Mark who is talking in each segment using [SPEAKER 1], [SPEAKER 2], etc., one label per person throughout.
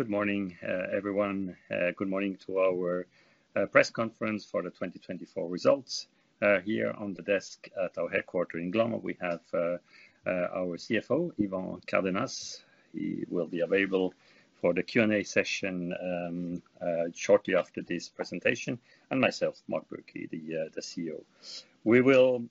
[SPEAKER 1] Good morning, everyone. Good morning to our press conference for the 2024 results. Here on the desk at our headquarters in Gland, we have our CFO, Yvan Cardenas. He will be available for the Q&A session shortly after this presentation, and myself, Marc Bürki, the CEO. We will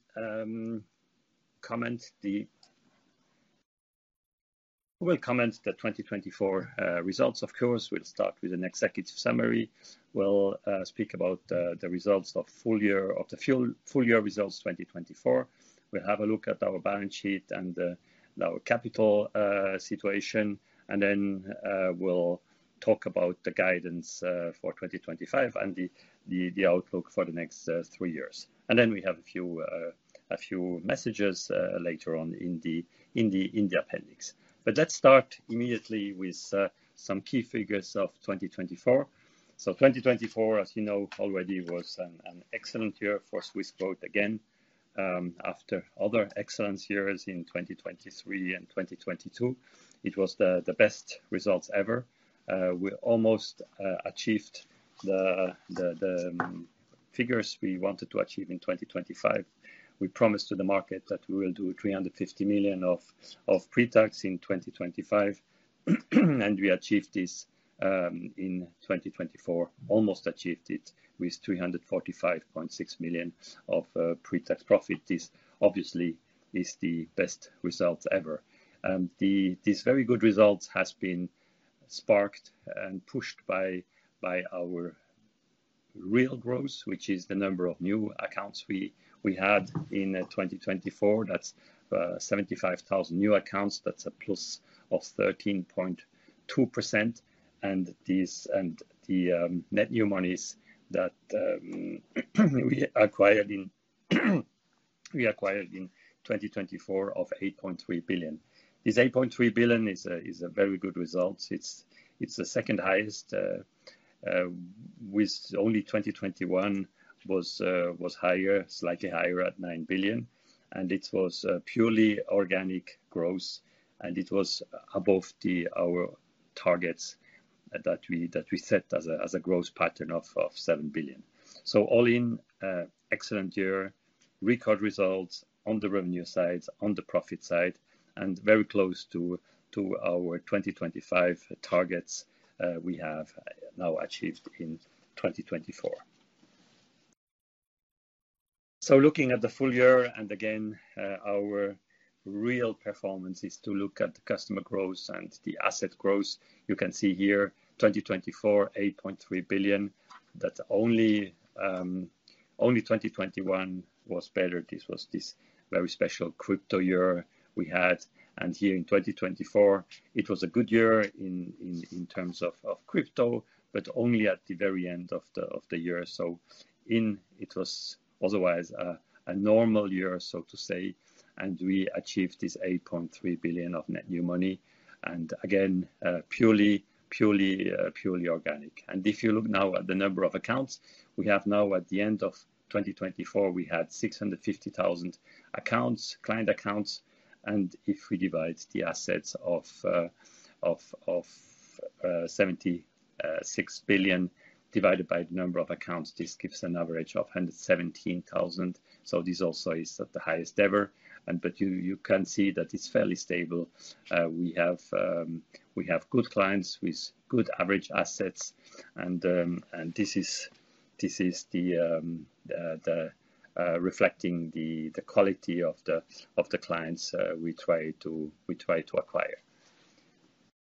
[SPEAKER 1] comment the 2024 results, of course. We'll start with an executive summary. We'll speak about the results of the full year, of the full year results 2024. We'll have a look at our balance sheet and our capital situation, and then we'll talk about the guidance for 2025 and the outlook for the next three years. We have a few messages later on in the appendix. Let's start immediately with some key figures of 2024. 2024, as you know already, was an excellent year for Swissquote again. After other excellent years in 2023 and 2022, it was the best results ever. We almost achieved the figures we wanted to achieve in 2025. We promised to the market that we will do 350 million of pre-tax in 2025, and we achieved this in 2024, almost achieved it with 345.6 million of pre-tax profit. This obviously is the best result ever. These very good results have been sparked and pushed by our real growth, which is the number of new accounts we had in 2024. That's 75,000 new accounts. That's a plus of 13.2%. The net new monies that we acquired in 2024 of 8.3 billion. This 8.3 billion is a very good result. It's the second highest, with only 2021 was higher, slightly higher at 9 billion. It was purely organic growth, and it was above our targets that we set as a growth pattern of 7 billion. All in, excellent year, record results on the revenue side, on the profit side, and very close to our 2025 targets we have now achieved in 2024. Looking at the full year, again, our real performance is to look at the customer growth and the asset growth. You can see here, 2024, 8.3 billion. Only 2021 was better. This was this very special crypto year we had. In 2024, it was a good year in terms of crypto, but only at the very end of the year. It was otherwise a normal year, so to say, and we achieved this 8.3 billion of net new money. Again, purely organic. If you look now at the number of accounts, we have now at the end of 2024, we had 650,000 accounts, client accounts. If we divide the assets of 76 billion divided by the number of accounts, this gives an average of 117,000. This also is the highest ever. You can see that it's fairly stable. We have good clients with good average assets. This is reflecting the quality of the clients we try to acquire.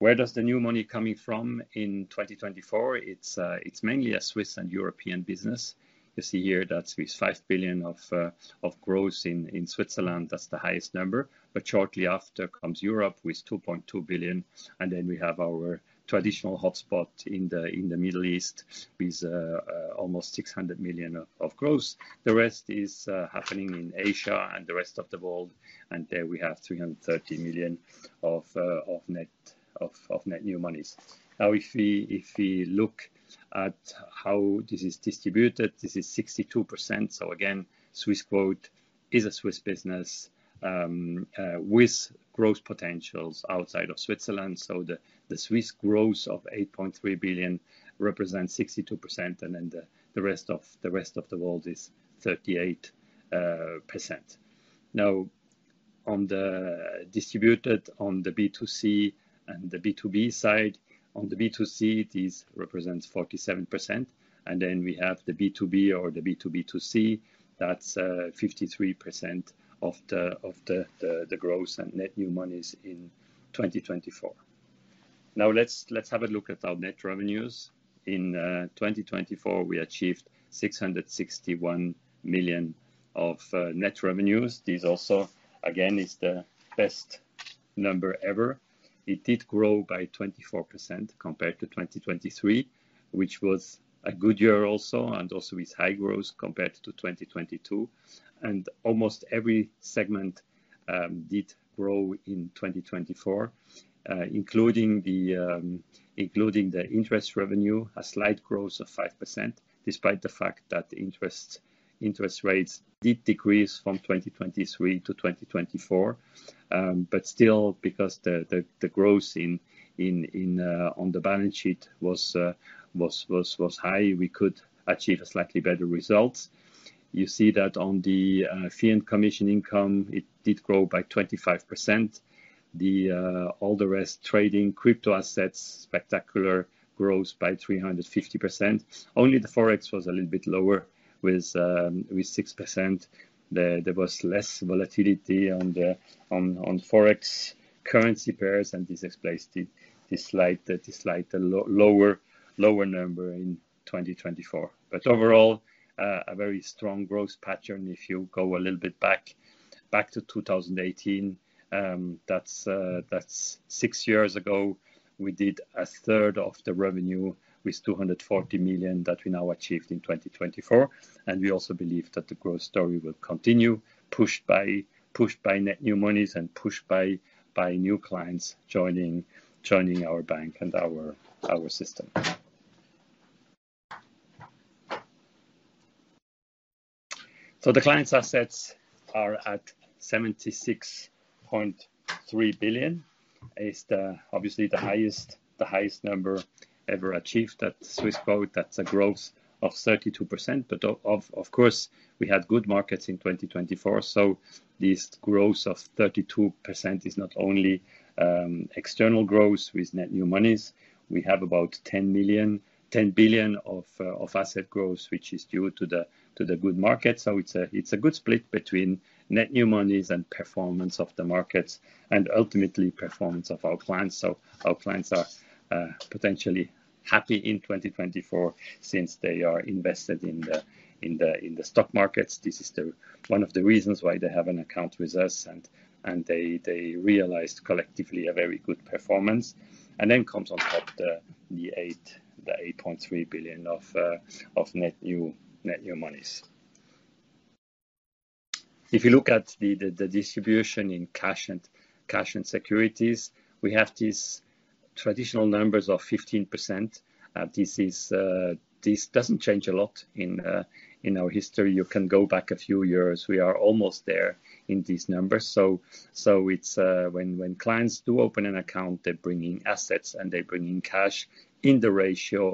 [SPEAKER 1] Where does the new money come from in 2024? It's mainly a Swiss and European business. You see here that's with 5 billion of growth in Switzerland. That's the highest number. Shortly after comes Europe with 2.2 billion. We have our traditional hotspot in the Middle East with almost 600 million of growth. The rest is happening in Asia and the rest of the world. There we have 330 million of net new monies. If we look at how this is distributed, this is 62%. Swissquote is a Swiss business with growth potentials outside of Switzerland. The Swiss growth of 8.3 billion represents 62%, and the rest of the world is 38%. On the distribution on the B2C and the B2B side, on the B2C, this represents 47%. We have the B2B or the B2B2C. That is 53% of the growth and net new monies in 2024. Let's have a look at our net revenues. In 2024, we achieved 661 million of net revenues. This also is the best number ever. It did grow by 24% compared to 2023, which was a good year also, and also with high growth compared to 2022. Almost every segment did grow in 2024, including the interest revenue, a slight growth of 5%, despite the fact that interest rates did decrease from 2023 to 2024. Still, because the growth on the balance sheet was high, we could achieve a slightly better result. You see that on the fee and commission income, it did grow by 25%. All the rest, trading crypto assets, spectacular growth by 350%. Only the forex was a little bit lower with 6%. There was less volatility on the forex currency pairs, and this explains the slight lower number in 2024. Overall, a very strong growth pattern. If you go a little bit back to 2018, that is six years ago, we did a third of the revenue with 240 million that we now achieved in 2024. We also believe that the growth story will continue, pushed by net new monies and pushed by new clients joining our bank and our system. The clients' assets are at 76.3 billion. It is obviously the highest number ever achieved at Swissquote. That is a growth of 32%. Of course, we had good markets in 2024. This growth of 32% is not only external growth with net new monies. We have about 10 billion of asset growth, which is due to the good markets. It is a good split between net new monies and performance of the markets and ultimately performance of our clients. Our clients are potentially happy in 2024 since they are invested in the stock markets. This is one of the reasons why they have an account with us, and they realized collectively a very good performance. Then comes on top the 8.3 billion of net new monies. If you look at the distribution in cash and securities, we have these traditional numbers of 15%. This does not change a lot in our history. You can go back a few years. We are almost there in these numbers. When clients do open an account, they bring in assets and they bring in cash in the ratio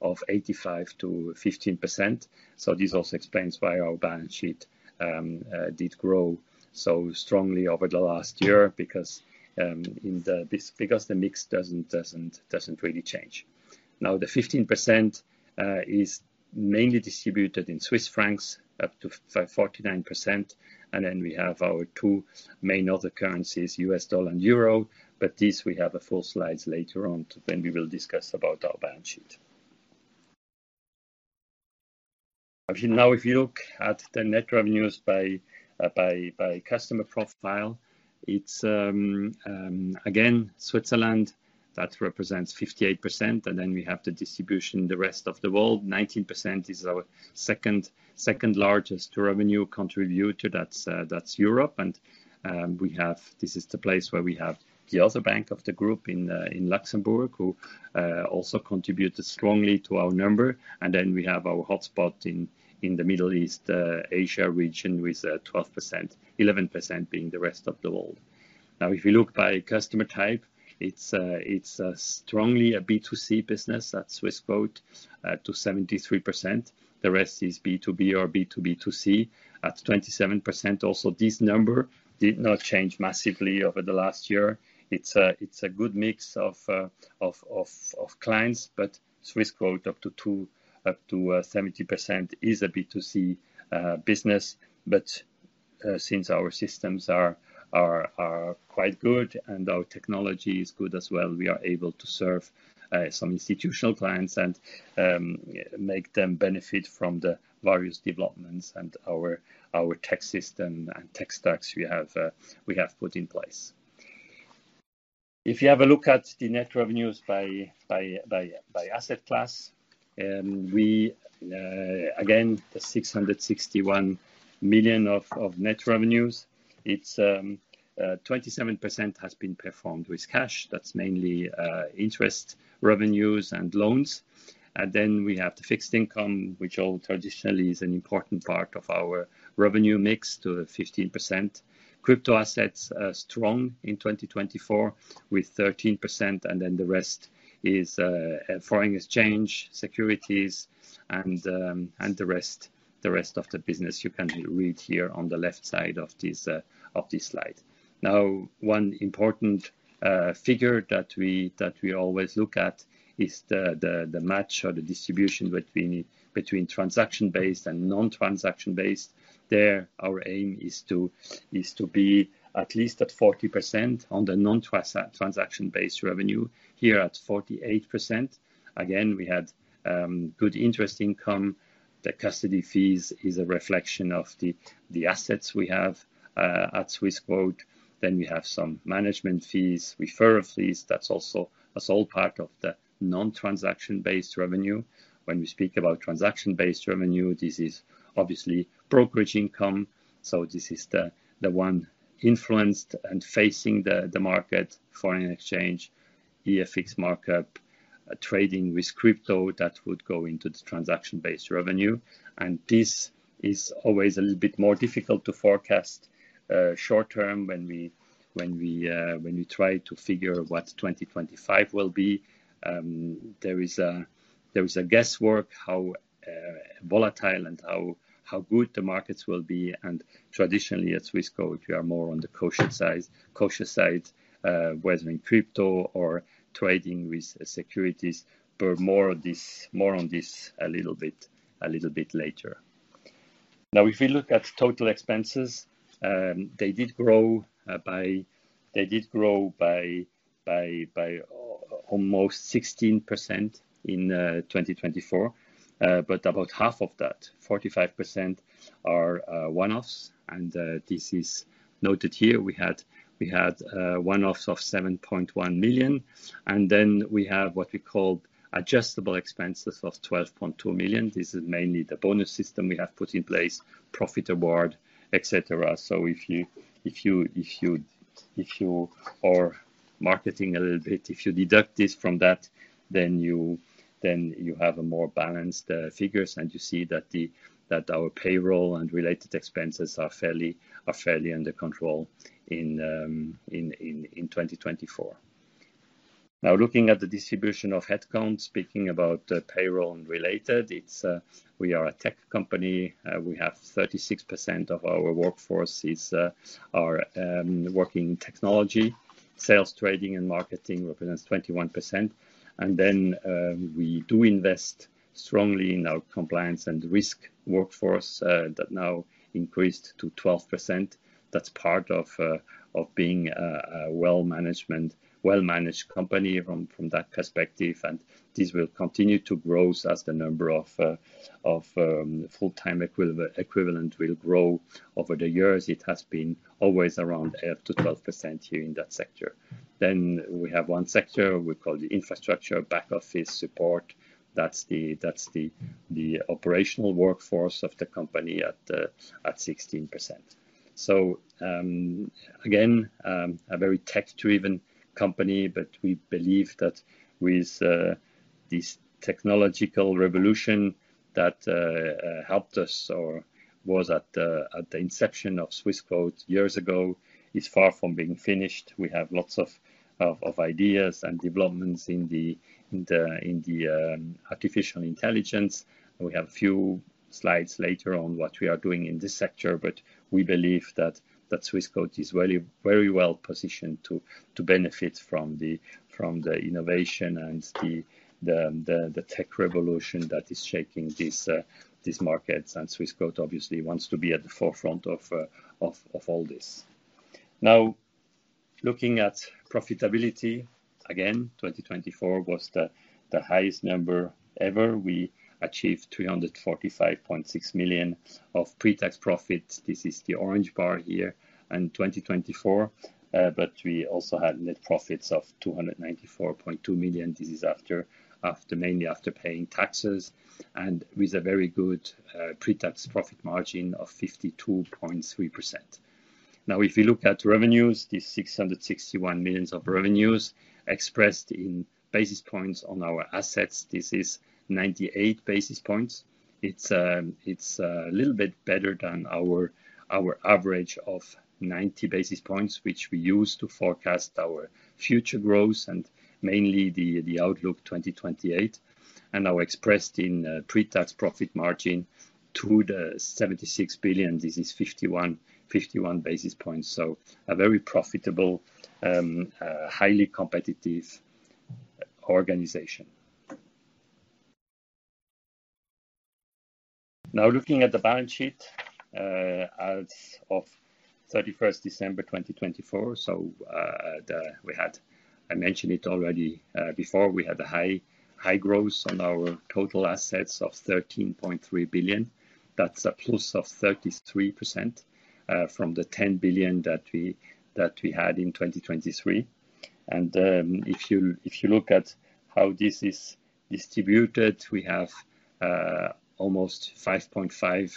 [SPEAKER 1] of 85 to 15%. This also explains why our balance sheet did grow so strongly over the last year because the mix does not really change. Now, the 15% is mainly distributed in Swiss francs up to 49%. We have our two main other currencies, US dollar and euro. We have a full slide later on. We will discuss our balance sheet. Now, if you look at the net revenues by customer profile, it's again Switzerland that represents 58%. We have the distribution in the rest of the world. 19% is our second largest revenue contributor. That's Europe. This is the place where we have the other bank of the group in Luxembourg, who also contributed strongly to our number. We have our hotspot in the Middle East, Asia region with 11% being the rest of the world. If you look by customer type, it's strongly a B2C business at Swissquote to 73%. The rest is B2B or B2B2C at 27%. Also, this number did not change massively over the last year. It's a good mix of clients, but Swissquote up to 70% is a B2C business. Since our systems are quite good and our technology is good as well, we are able to serve some institutional clients and make them benefit from the various developments and our tax system and tax tax we have put in place. If you have a look at the net revenues by asset class, again, the 661 million of net revenues, 27% has been performed with cash. That's mainly interest revenues and loans. Then we have the fixed income, which traditionally is an important part of our revenue mix to 15%. Crypto assets strong in 2024 with 13%. The rest is foreign exchange, securities, and the rest of the business you can read here on the left side of this slide. Now, one important figure that we always look at is the match or the distribution between transaction-based and non-transaction-based. There, our aim is to be at least at 40% on the non-transaction-based revenue. Here at 48%. Again, we had good interest income. The custody fees is a reflection of the assets we have at Swissquote. Then we have some management fees, referral fees. That's also a small part of the non-transaction-based revenue. When we speak about transaction-based revenue, this is obviously brokerage income. This is the one influenced and facing the market, foreign exchange, eForex markup, trading with crypto that would go into the transaction-based revenue. This is always a little bit more difficult to forecast short term when we try to figure what 2025 will be. There is a guesswork how volatile and how good the markets will be. Traditionally, at Swissquote, we are more on the cautious side, whether in crypto or trading with securities. More on this a little bit later. Now, if we look at total expenses, they did grow by almost 16% in 2024. About half of that, 45%, are one-offs. This is noted here. We had one-offs of 7.1 million. We have what we called adjustable expenses of 12.2 million. This is mainly the bonus system we have put in place, profit award, etc. If you are marketing a little bit, if you deduct this from that, you have more balanced figures. You see that our payroll and related expenses are fairly under control in 2024. Now, looking at the distribution of headcount, speaking about payroll and related, we are a tech company. We have 36% of our workforce working in technology. Sales, trading, and marketing represents 21%. We do invest strongly in our compliance and risk workforce that now increased to 12%. That's part of being a well-managed company from that perspective. This will continue to grow as the number of full-time equivalent will grow over the years. It has been always around 11%-12% here in that sector. We have one sector we call the infrastructure, back office, support. That's the operational workforce of the company at 16%. Again, a very tech-driven company, but we believe that with this technological revolution that helped us or was at the inception of Swissquote years ago, it's far from being finished. We have lots of ideas and developments in the artificial intelligence. We have a few slides later on what we are doing in this sector, but we believe that Swissquote is very well positioned to benefit from the innovation and the tech revolution that is shaking these markets. Swissquote, obviously, wants to be at the forefront of all this. Now, looking at profitability, again, 2024 was the highest number ever. We achieved 345.6 million of pre-tax profits. This is the orange bar here in 2024. We also had net profits of 294.2 million. This is mainly after paying taxes and with a very good pre-tax profit margin of 52.3%. Now, if we look at revenues, these 661 million of revenues expressed in basis points on our assets, this is 98 basis points. It is a little bit better than our average of 90 basis points, which we use to forecast our future growth and mainly the outlook 2028. Our expressed pre-tax profit margin to the 76 billion, this is 51 basis points. A very profitable, highly competitive organization. Now, looking at the balance sheet as of 31st December 2024, I mentioned it already before, we had a high growth on our total assets of 13.3 billion. That's a plus of 33% from the 10 billion that we had in 2023. If you look at how this is distributed, we have almost 5.5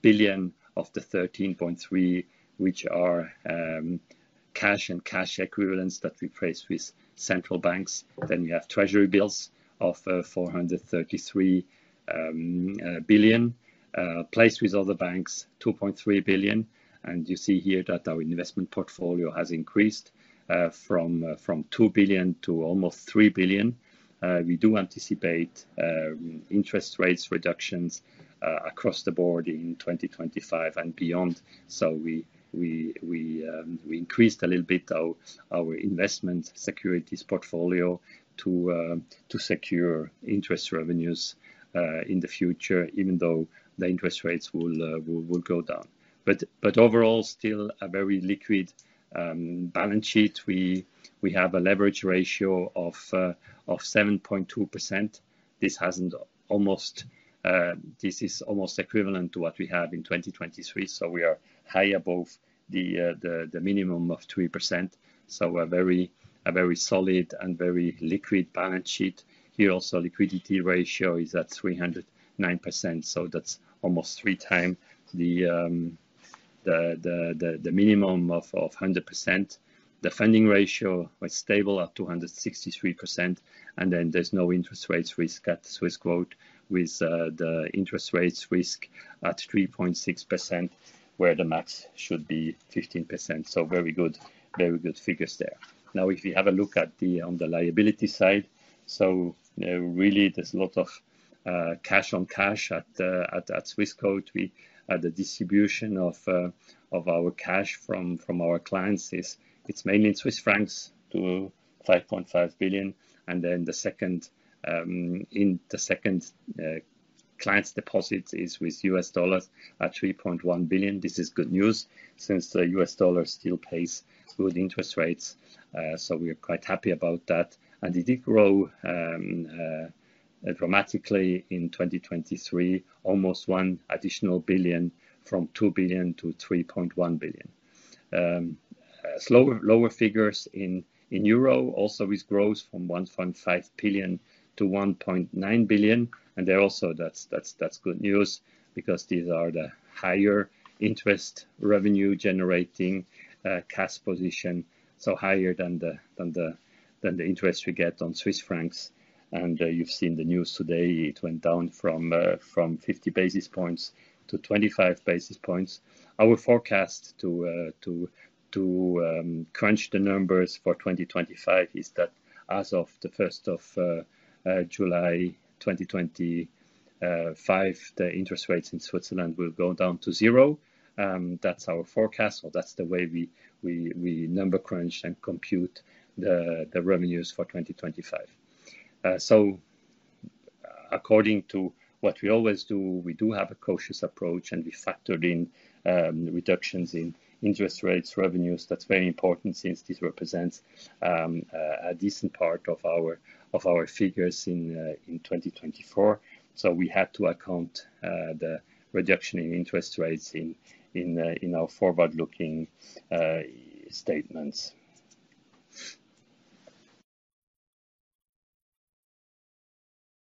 [SPEAKER 1] billion of the 13.3 billion, which are cash and cash equivalents that we place with central banks. We have treasury bills of 433 million, placed with other banks 2.3 billion. You see here that our investment portfolio has increased from 2 billion to almost 3 billion. We do anticipate interest rates reductions across the board in 2025 and beyond. We increased a little bit our investment securities portfolio to secure interest revenues in the future, even though the interest rates will go down. Overall, still a very liquid balance sheet. We have a leverage ratio of 7.2%. This is almost equivalent to what we have in 2023. We are high above the minimum of 3%. A very solid and very liquid balance sheet. Here, also, liquidity ratio is at 309%. That is almost 3x the minimum of 100%. The funding ratio was stable at 263%. There is no interest rates risk at Swissquote with the interest rates risk at 3.6%, where the max should be 15%. Very good figures there. Now, if you have a look at the liability side, really, there is a lot of cash on cash at Swissquote. The distribution of our cash from our clients, it is mainly in Swiss francs to 5.5 billion. In the second clients' deposits is with US dollars at $3.1 billion. This is good news since the US dollar still pays good interest rates. We are quite happy about that. It did grow dramatically in 2023, almost one additional billion from 2 billion to 3.1 billion. Lower figures in EUR, also with growth from 1.5 billion to 1.9 billion. That is good news because these are the higher interest revenue-generating cash positions, so higher than the interest we get on Swiss francs. You have seen the news today. It went down from 50 basis points to 25 basis points. Our forecast to crunch the numbers for 2025 is that as of the 1st of July 2025, the interest rates in Switzerland will go down to zero. That is our forecast, or that is the way we number crunch and compute the revenues for 2025. According to what we always do, we do have a cautious approach, and we factored in reductions in interest rates revenues. That's very important since this represents a decent part of our figures in 2024. We had to account for the reduction in interest rates in our forward-looking statements.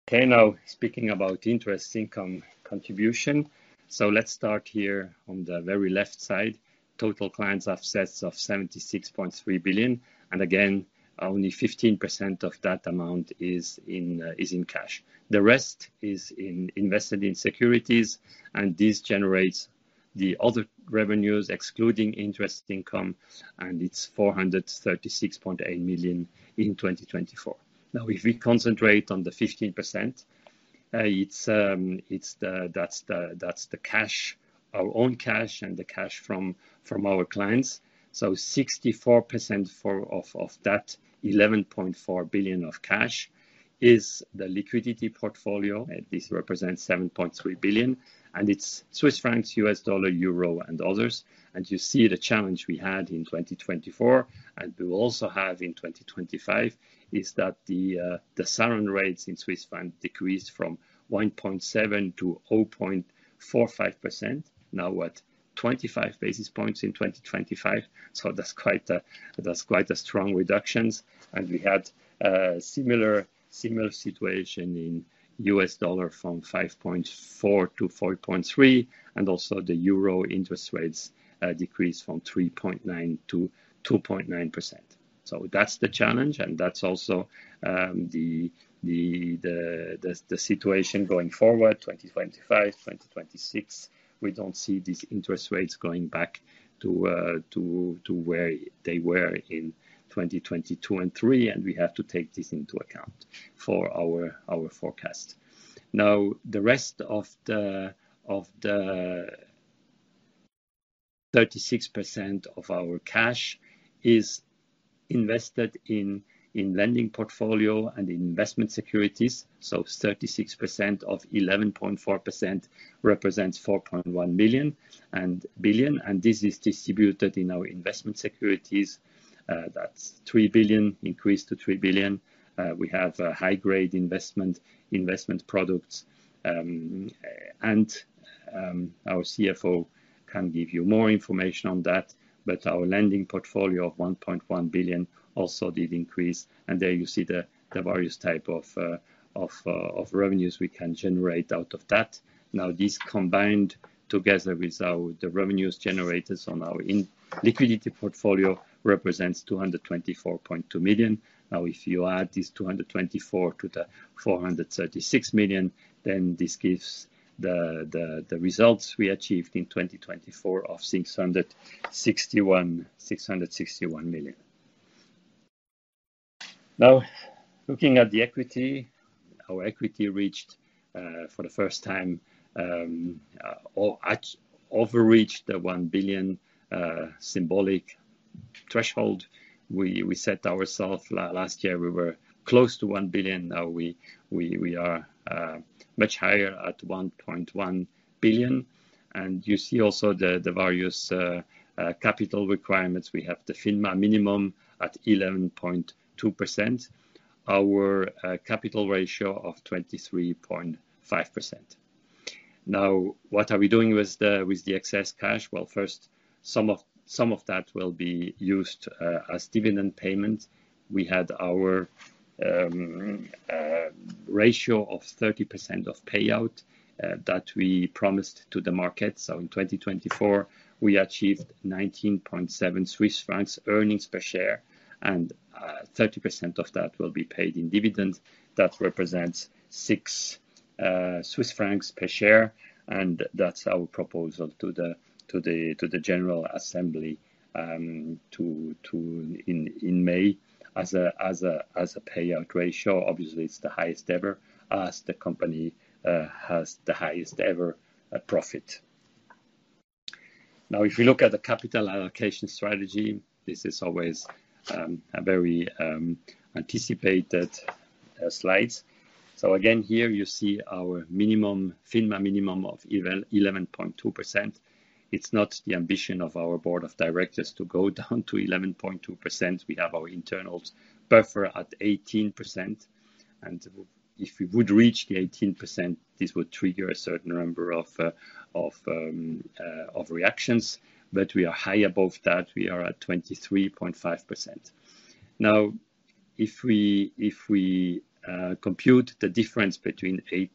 [SPEAKER 1] Okay, now speaking about interest income contribution, let's start here on the very left side, total clients' assets of 76.3 billion. Again, only 15% of that amount is in cash. The rest is invested in securities, and this generates the other revenues excluding interest income, and it's 436.8 million in 2024. If we concentrate on the 15%, that's the cash, our own cash, and the cash from our clients. 64% of that 11.4 billion of cash is the liquidity portfolio. This represents 7.3 billion. It's Swiss francs, US dollar, euro, and others. You see the challenge we had in 2024 and we will also have in 2025 is that the surrender rates in Swiss franc decreased from 1.7% to 0.45%, now at 25 basis points in 2025. That is quite a strong reduction. We had a similar situation in U.S. dollar from 5.4% to 4.3%, and also the euro interest rates decreased from 3.9% to 2.9%. That is the challenge, and that is also the situation going forward, 2025, 2026. We do not see these interest rates going back to where they were in 2022 and 2023, and we have to take this into account for our forecast. Now, the rest of the 36% of our cash is invested in lending portfolio and in investment securities. 36% of 11.4 billion represents 4.1 billion. This is distributed in our investment securities. That is 3 billion, increased to 3 billion. We have high-grade investment products. And our CFO can give you more information on that. But our lending portfolio of 1.1 billion also did increase. And there you see the various types of revenues we can generate out of that. Now, this combined together with the revenues generated on our liquidity portfolio represents 224.2 million. Now, if you add this 224 million to the 436 million, then this gives the results we achieved in 2024 of 661 million. Now, looking at the equity, our equity reached for the first time or overreached the 1 billion symbolic threshold. We set ourselves last year; we were close to 1 billion. Now, we are much higher at 1.1 billion. And you see also the various capital requirements. We have the FINMA minimum at 11.2%, our capital ratio of 23.5%. Now, what are we doing with the excess cash? First, some of that will be used as dividend payments. We had our ratio of 30% of payout that we promised to the market. In 2024, we achieved 19.7 Swiss francs earnings per share. Thirty percent of that will be paid in dividends. That represents 6 Swiss francs per share. That is our proposal to the General Assembly in May as a payout ratio. Obviously, it is the highest ever as the company has the highest ever profit. If we look at the capital allocation strategy, this is always a very anticipated slide. Here you see our FINMA minimum of 11.2%. It is not the ambition of our Board of Directors to go down to 11.2%. We have our internal buffer at 18%. If we would reach the 18%, this would trigger a certain number of reactions. We are high above that. We are at 23.5%. Now, if we compute the difference between 18%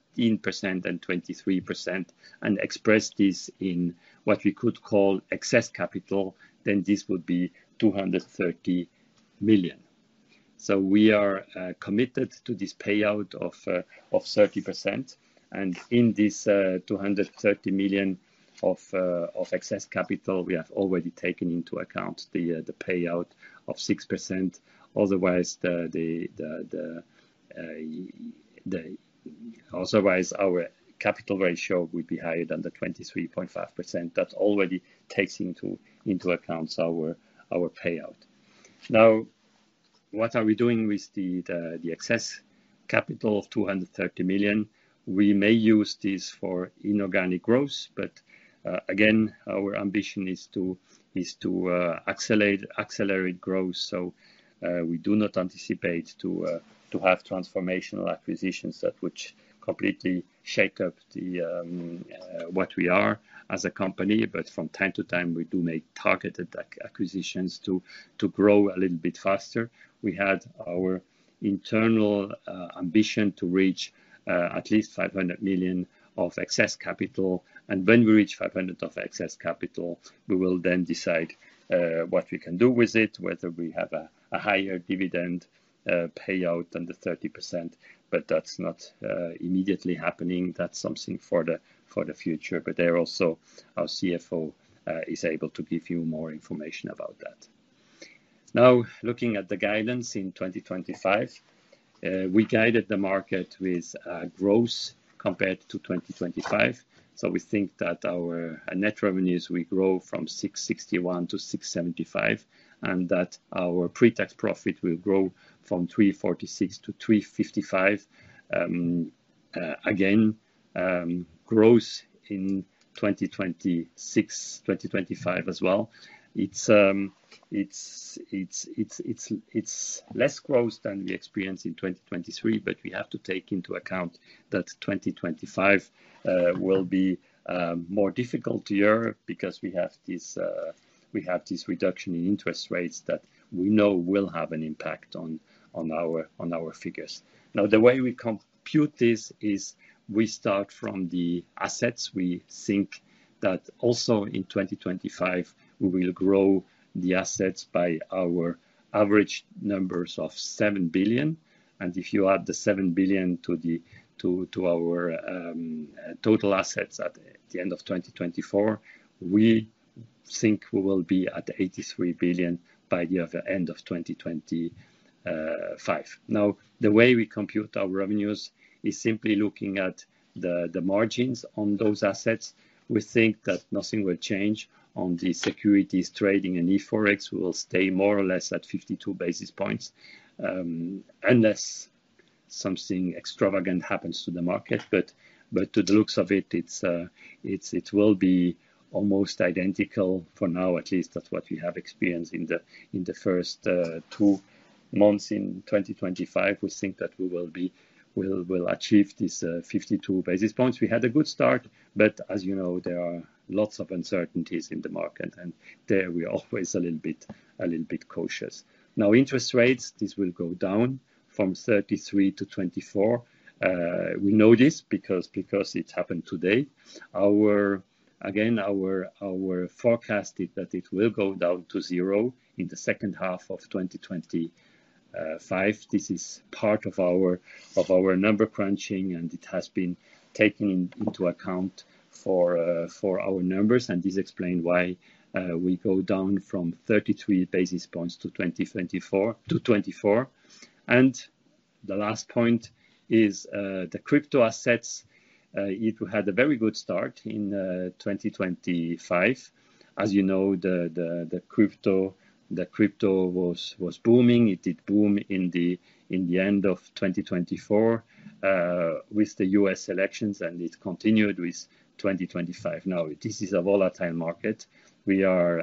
[SPEAKER 1] and 23% and express this in what we could call excess capital, then this would be 230 million. We are committed to this payout of 30%. In this 230 million of excess capital, we have already taken into account the payout of 6%. Otherwise, our capital ratio would be higher than the 23.5%. That already takes into account our payout. Now, what are we doing with the excess capital of 230 million? We may use this for inorganic growth. Again, our ambition is to accelerate growth. We do not anticipate to have transformational acquisitions that would completely shake up what we are as a company. From time to time, we do make targeted acquisitions to grow a little bit faster. We had our internal ambition to reach at least 500 million of excess capital. When we reach 500 million of excess capital, we will then decide what we can do with it, whether we have a higher dividend payout than the 30%. That is not immediately happening. That is something for the future. There also, our CFO is able to give you more information about that. Now, looking at the guidance in 2025, we guided the market with growth compared to 2025. We think that our net revenues will grow from 661 million to 675 million, and that our pre-tax profit will grow from 346 million to 355 million. Again, growth in 2025 as well. It's less growth than we experienced in 2023, but we have to take into account that 2025 will be a more difficult year because we have this reduction in interest rates that we know will have an impact on our figures. Now, the way we compute this is we start from the assets. We think that also in 2025, we will grow the assets by our average numbers of 7 billion. And if you add the 7 billion to our total assets at the end of 2024, we think we will be at 83 billion by the end of 2025. Now, the way we compute our revenues is simply looking at the margins on those assets. We think that nothing will change on the securities trading and eForex. We will stay more or less at 52 basis points unless something extravagant happens to the market. To the looks of it, it will be almost identical for now, at least. That is what we have experienced in the first two months in 2025. We think that we will achieve these 52 basis points. We had a good start, but as you know, there are lots of uncertainties in the market. There, we are always a little bit cautious. Now, interest rates, this will go down from 33 to 24. We know this because it happened today. Again, our forecast is that it will go down to zero in the second half of 2025. This is part of our number crunching, and it has been taken into account for our numbers. This explains why we go down from 33 basis points to 2024. The last point is the crypto assets. It had a very good start in 2025. As you know, the crypto was booming. It did boom in the end of 2024 with the U.S. elections, and it continued with 2025. Now, this is a volatile market. We are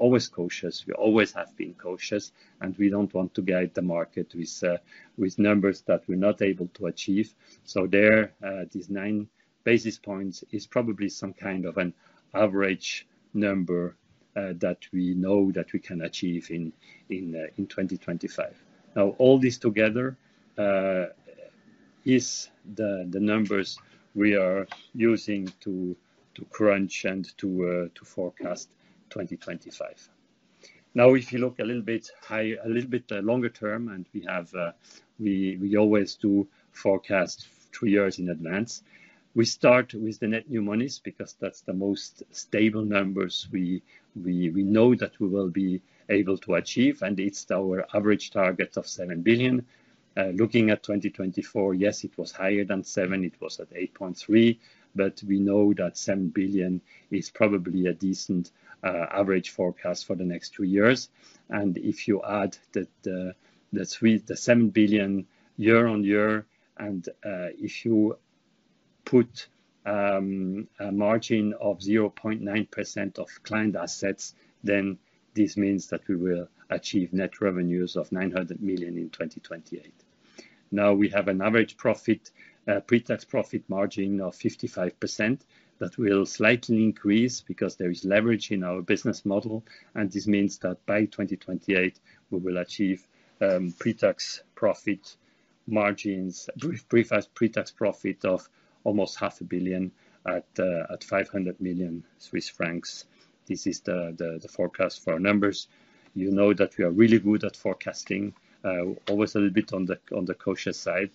[SPEAKER 1] always cautious. We always have been cautious, and we don't want to guide the market with numbers that we're not able to achieve. There, these 9 basis points is probably some kind of an average number that we know that we can achieve in 2025. All this together is the numbers we are using to crunch and to forecast 2025. If you look a little bit longer term, and we always do forecast three years in advance, we start with the net new monies because that's the most stable numbers we know that we will be able to achieve. It's our average target of 7 billion. Looking at 2024, yes, it was higher than 7. It was at 8.3. We know that 7 billion is probably a decent average forecast for the next two years. If you add the 7 billion year-on-year, and if you put a margin of 0.9% of client assets, this means that we will achieve net revenues of 900 million in 2028. Now, we have an average pre-tax profit margin of 55% that will slightly increase because there is leverage in our business model. This means that by 2028, we will achieve pre-tax profit of almost half a billion at 500 million Swiss francs. This is the forecast for our numbers. You know that we are really good at forecasting, always a little bit on the cautious side.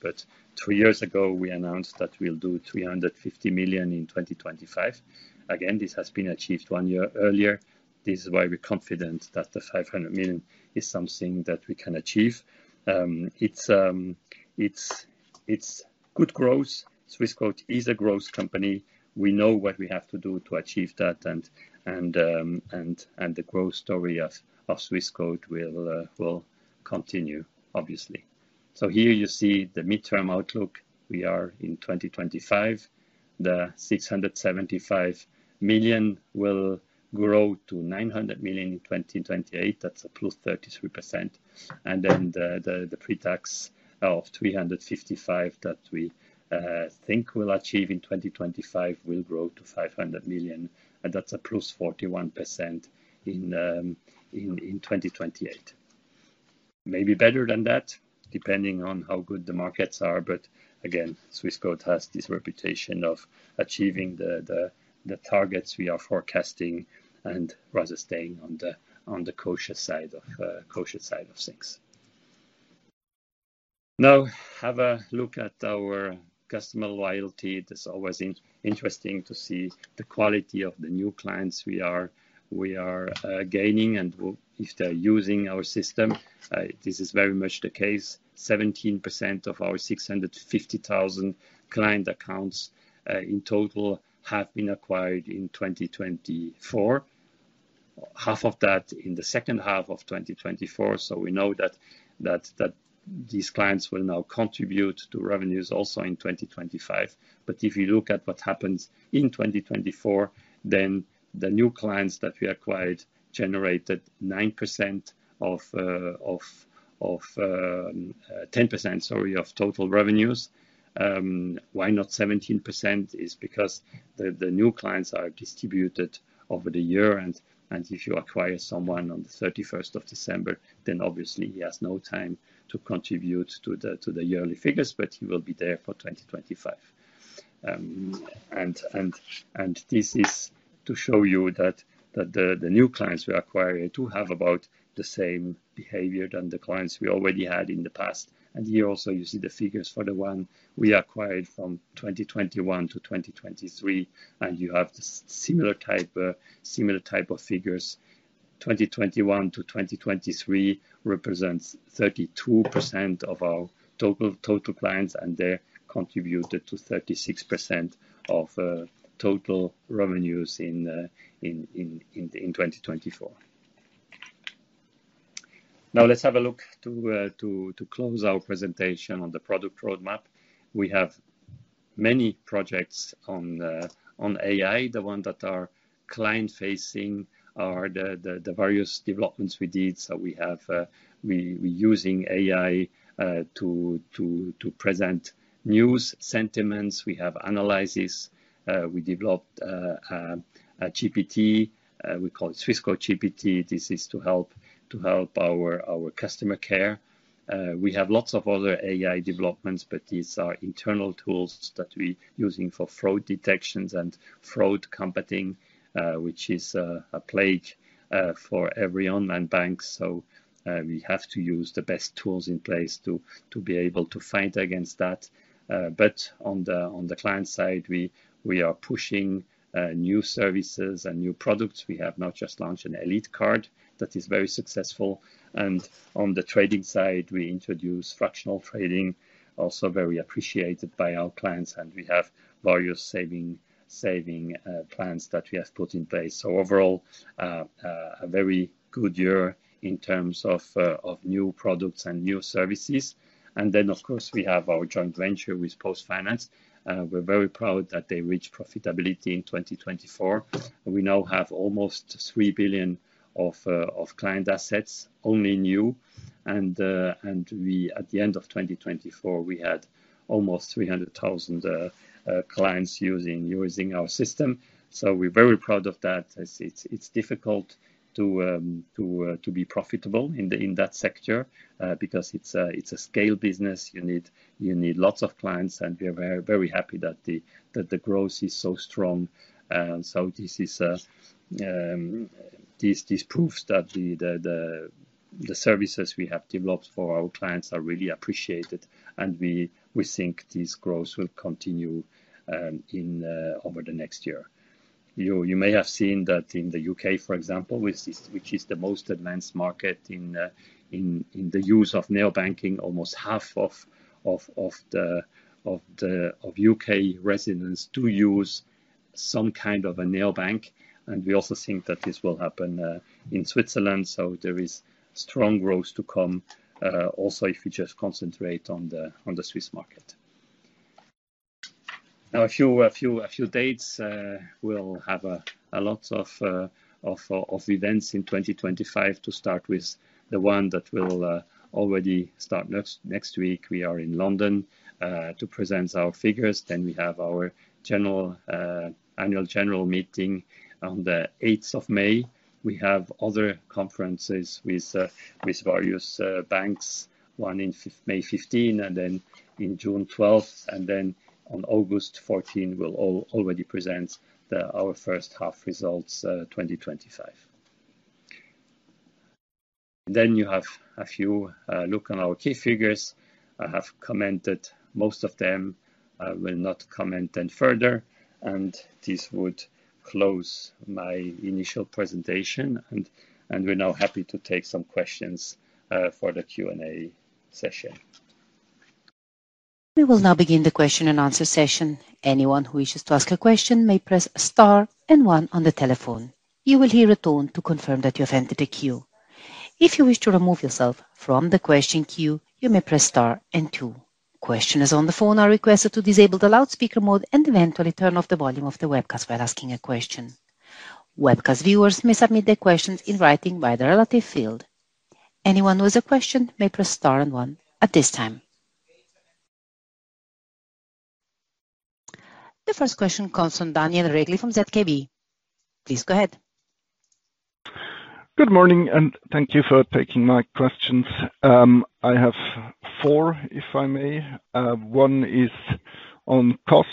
[SPEAKER 1] Three years ago, we announced that we will do 350 million in 2025. Again, this has been achieved one year earlier. This is why we're confident that the 500 million is something that we can achieve. It's good growth. Swissquote is a growth company. We know what we have to do to achieve that. The growth story of Swissquote will continue, obviously. Here you see the midterm outlook. We are in 2025. The 675 million will grow to 900 million in 2028. That's a +33%. The pre-tax of 355 million that we think we'll achieve in 2025 will grow to 500 million. That's a +41% in 2028. Maybe better than that, depending on how good the markets are. Swissquote has this reputation of achieving the targets we are forecasting and rather staying on the cautious side of things. Now, have a look at our customer loyalty. It is always interesting to see the quality of the new clients we are gaining. If they're using our system, this is very much the case. 17% of our 650,000 client accounts in total have been acquired in 2024. Half of that in the second half of 2024. We know that these clients will now contribute to revenues also in 2025. If you look at what happens in 2024, the new clients that we acquired generated 9% or 10%, sorry, of total revenues. Why not 17%? It is because the new clients are distributed over the year. If you acquire someone on the 31st of December, obviously he has no time to contribute to the yearly figures, but he will be there for 2025. This is to show you that the new clients we acquired do have about the same behavior as the clients we already had in the past. Here also, you see the figures for the ones we acquired from 2021 to 2023. You have similar types of figures. 2021 to 2023 represents 32% of our total clients, and they contributed to 36% of total revenues in 2024. Now, let's have a look to close our presentation on the product roadmap. We have many projects on AI. The ones that are client-facing are the various developments we did. We are using AI to present news, sentiments. We have analysis. We developed a GPT. We call it Swissquote GPT. This is to help our customer care. We have lots of other AI developments, but these are internal tools that we are using for fraud detections and fraud combating, which is a plague for every online bank. We have to use the best tools in place to be able to fight against that. On the client side, we are pushing new services and new products. We have not just launched an Elite Card that is very successful. On the trading side, we introduced fractional trading, also very appreciated by our clients. We have various saving plans that we have put in place. Overall, a very good year in terms of new products and new services. Of course, we have our joint venture with PostFinance. We are very proud that they reached profitability in 2024. We now have almost 3 billion of client assets, only new. At the end of 2024, we had almost 300,000 clients using our system. We are very proud of that. It is difficult to be profitable in that sector because it is a scale business. You need lots of clients. We are very happy that the growth is so strong. This proves that the services we have developed for our clients are really appreciated. We think this growth will continue over the next year. You may have seen that in the U.K., for example, which is the most advanced market in the use of neobanking, almost half of the U.K. residents do use some kind of a neobank. We also think that this will happen in Switzerland. There is strong growth to come, also if we just concentrate on the Swiss market. Now, a few dates. We'll have a lot of events in 2025, to start with the one that will already start next week. We are in London to present our figures. We have our annual general meeting on the 8th of May. We have other conferences with various banks, one on May 15, and in June 12. On August 14, we'll already present our first half results 2025. You have a few look on our key figures. I have commented most of them. I will not comment further. This would close my initial presentation. We're now happy to take some questions for the Q&A session.
[SPEAKER 2] We will now begin the question-and-answer session. Anyone who wishes to ask a question may press star and one on the telephone. You will hear a tone to confirm that you have entered a queue. If you wish to remove yourself from the question queue, you may press star and two. Questioners on the phone are requested to disable the loudspeaker mode and eventually turn off the volume of the webcast while asking a question. Webcast viewers may submit their questions in writing by the relative field. Anyone who has a question may press star and one at this time. The first question comes from Daniel Regli from ZKB. Please go ahead.
[SPEAKER 3] Good morning, and thank you for taking my questions. I have four, if I may. One is on costs.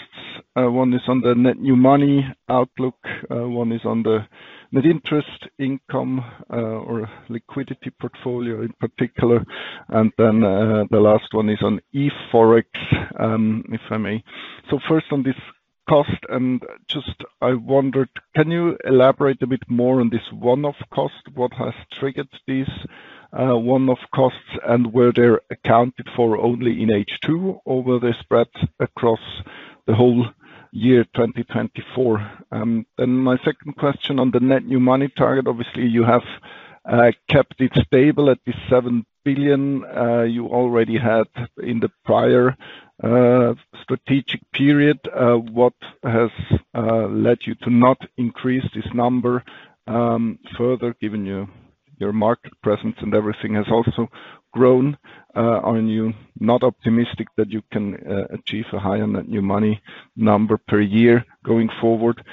[SPEAKER 3] One is on the net new money outlook. One is on the net interest, income, or liquidity portfolio in particular. And then the last one is on eForex, if I may. First on this cost, and just I wondered, can you elaborate a bit more on this one-off cost? What has triggered this one-off costs? Were they accounted for only in H2, or were they spread across the whole year 2024? My second question on the net new money target. Obviously, you have kept it stable at this 7 billion. You already had in the prior strategic period. What has led you to not increase this number further, given your market presence and everything has also grown? Are you not optimistic that you can achieve a higher net new money number per year going forward?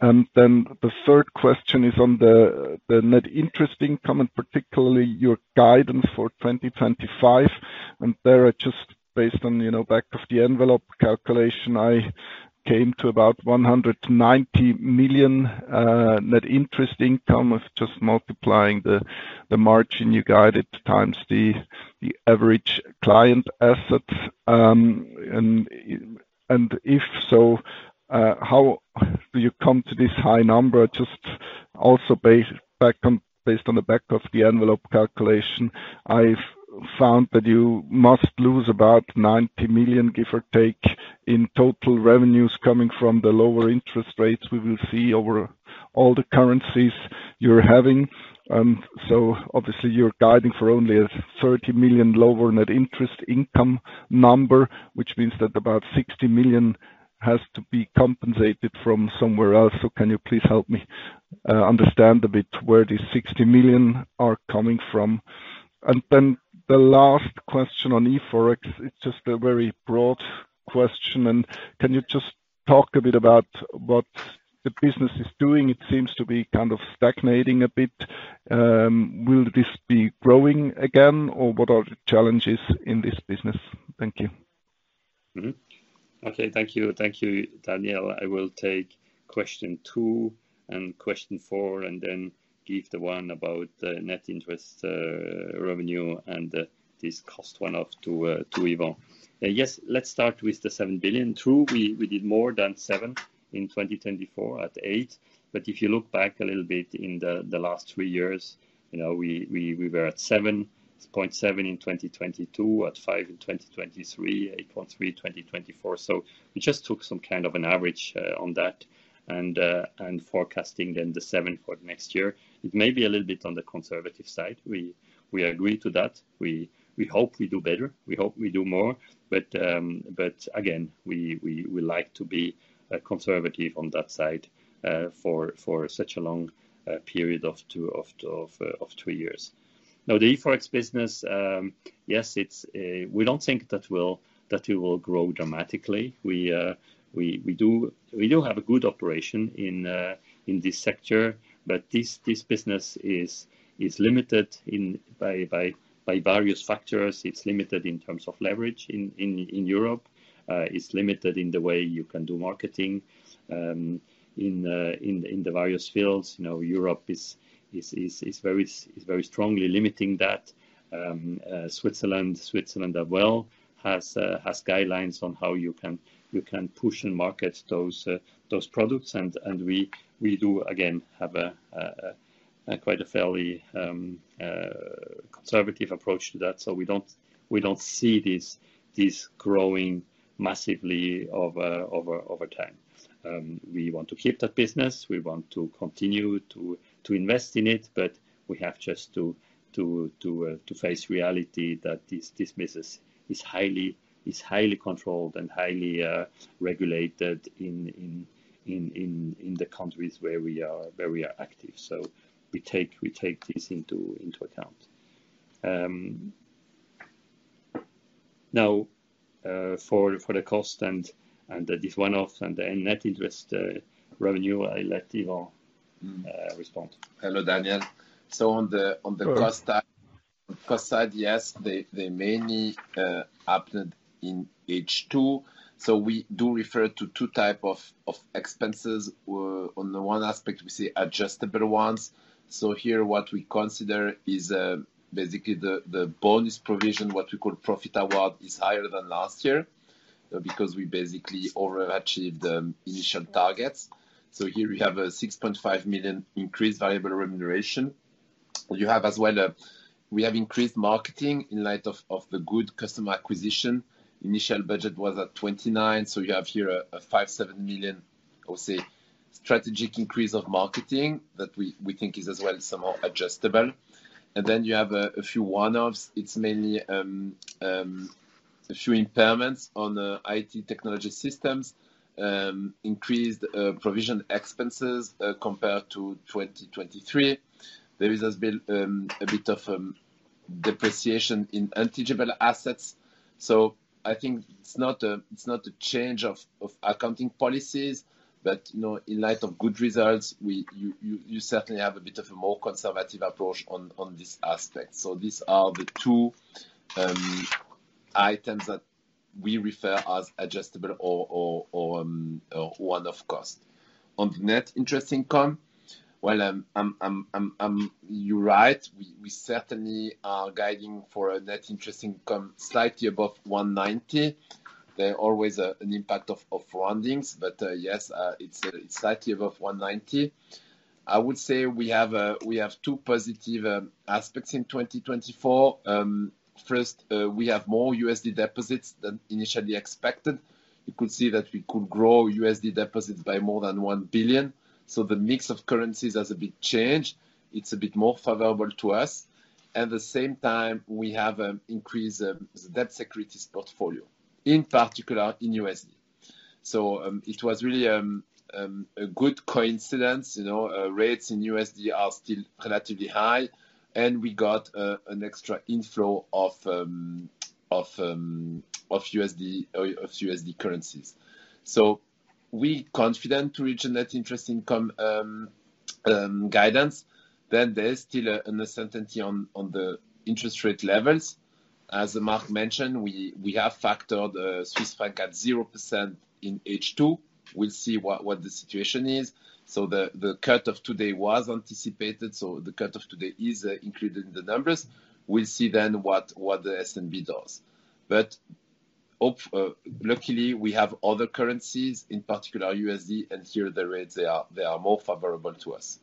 [SPEAKER 3] The third question is on the net interest income, and particularly your guidance for 2025. There, just based on back-of-the-envelope calculation, I came to about 190 million net interest income of just multiplying the margin you guided times the average client assets. If so, how do you come to this high number? Just also based on the back-of-the-envelope calculation, I found that you must lose about 90 million, give or take, in total revenues coming from the lower interest rates we will see over all the currencies you're having. Obviously, you're guiding for only a 30 million lower net interest income number, which means that about 60 million has to be compensated from somewhere else. Can you please help me understand a bit where these 60 million are coming from? The last question on eForex, it's just a very broad question. Can you just talk a bit about what the business is doing? It seems to be kind of stagnating a bit. Will this be growing again, or what are the challenges in this business? Thank you.
[SPEAKER 1] Okay. Thank you, Daniel. I will take question two and question four, and then give the one about the net interest revenue and this cost one-off to Yvan. Yes, let's start with the 7 billion. True, we did more than 7 in 2024 at 8. But if you look back a little bit in the last three years, we were at 7.7 in 2022, at 5 in 2023, 8.3 in 2024. So we just took some kind of an average on that and forecasting then the 7 for next year. It may be a little bit on the conservative side. We agree to that. We hope we do better. We hope we do more. Again, we like to be conservative on that side for such a long period of three years. Now, the eForex business, yes, we do not think that it will grow dramatically. We do have a good operation in this sector, but this business is limited by various factors. It is limited in terms of leverage in Europe. It is limited in the way you can do marketing in the various fields. Europe is very strongly limiting that. Switzerland as well has guidelines on how you can push and market those products. We do, again, have quite a fairly conservative approach to that. We do not see this growing massively over time. We want to keep that business. We want to continue to invest in it, but we have just to face reality that this business is highly controlled and highly regulated in the countries where we are active. We take this into account. Now, for the cost and this one-off and the net interest revenue, I let Yvan respond.
[SPEAKER 4] Hello, Daniel. On the cost side, yes, they mainly happened in H2. We do refer to two types of expenses. On the one aspect, we see adjustable ones. Here, what we consider is basically the bonus provision, what we call profit award, is higher than last year because we basically overachieved the initial targets. Here, we have a 6.5 million increased variable remuneration. You have as well, we have increased marketing in light of the good customer acquisition. Initial budget was at 29 million. You have here a 5 million-7 million, I would say, strategic increase of marketing that we think is as well somewhat adjustable. Then you have a few one-offs. It is mainly a few impairments on IT technology systems, increased provision expenses compared to 2023. There is a bit of depreciation in eligible assets. I think it's not a change of accounting policies, but in light of good results, you certainly have a bit of a more conservative approach on this aspect. These are the two items that we refer as adjustable or one-off cost. On the net interest income, you're right. We certainly are guiding for a net interest income slightly above 190 million. There's always an impact of roundings, but yes, it's slightly above 190 million. I would say we have two positive aspects in 2024. First, we have more USD deposits than initially expected. You could see that we could grow USD deposits by more than $1 billion. The mix of currencies has a bit changed. It's a bit more favorable to us. At the same time, we have an increase in the debt securities portfolio, in particular in USD. It was really a good coincidence. Rates in USD are still relatively high, and we got an extra inflow of USD currencies. We are confident to reach a net interest income guidance. There is still an uncertainty on the interest rate levels. As Marc mentioned, we have factored Swiss franc at 0% in H2. We will see what the situation is. The cut of today was anticipated. The cut of today is included in the numbers. We will see what the S&B does. Luckily, we have other currencies, in particular USD, and here the rates, they are more favorable to us.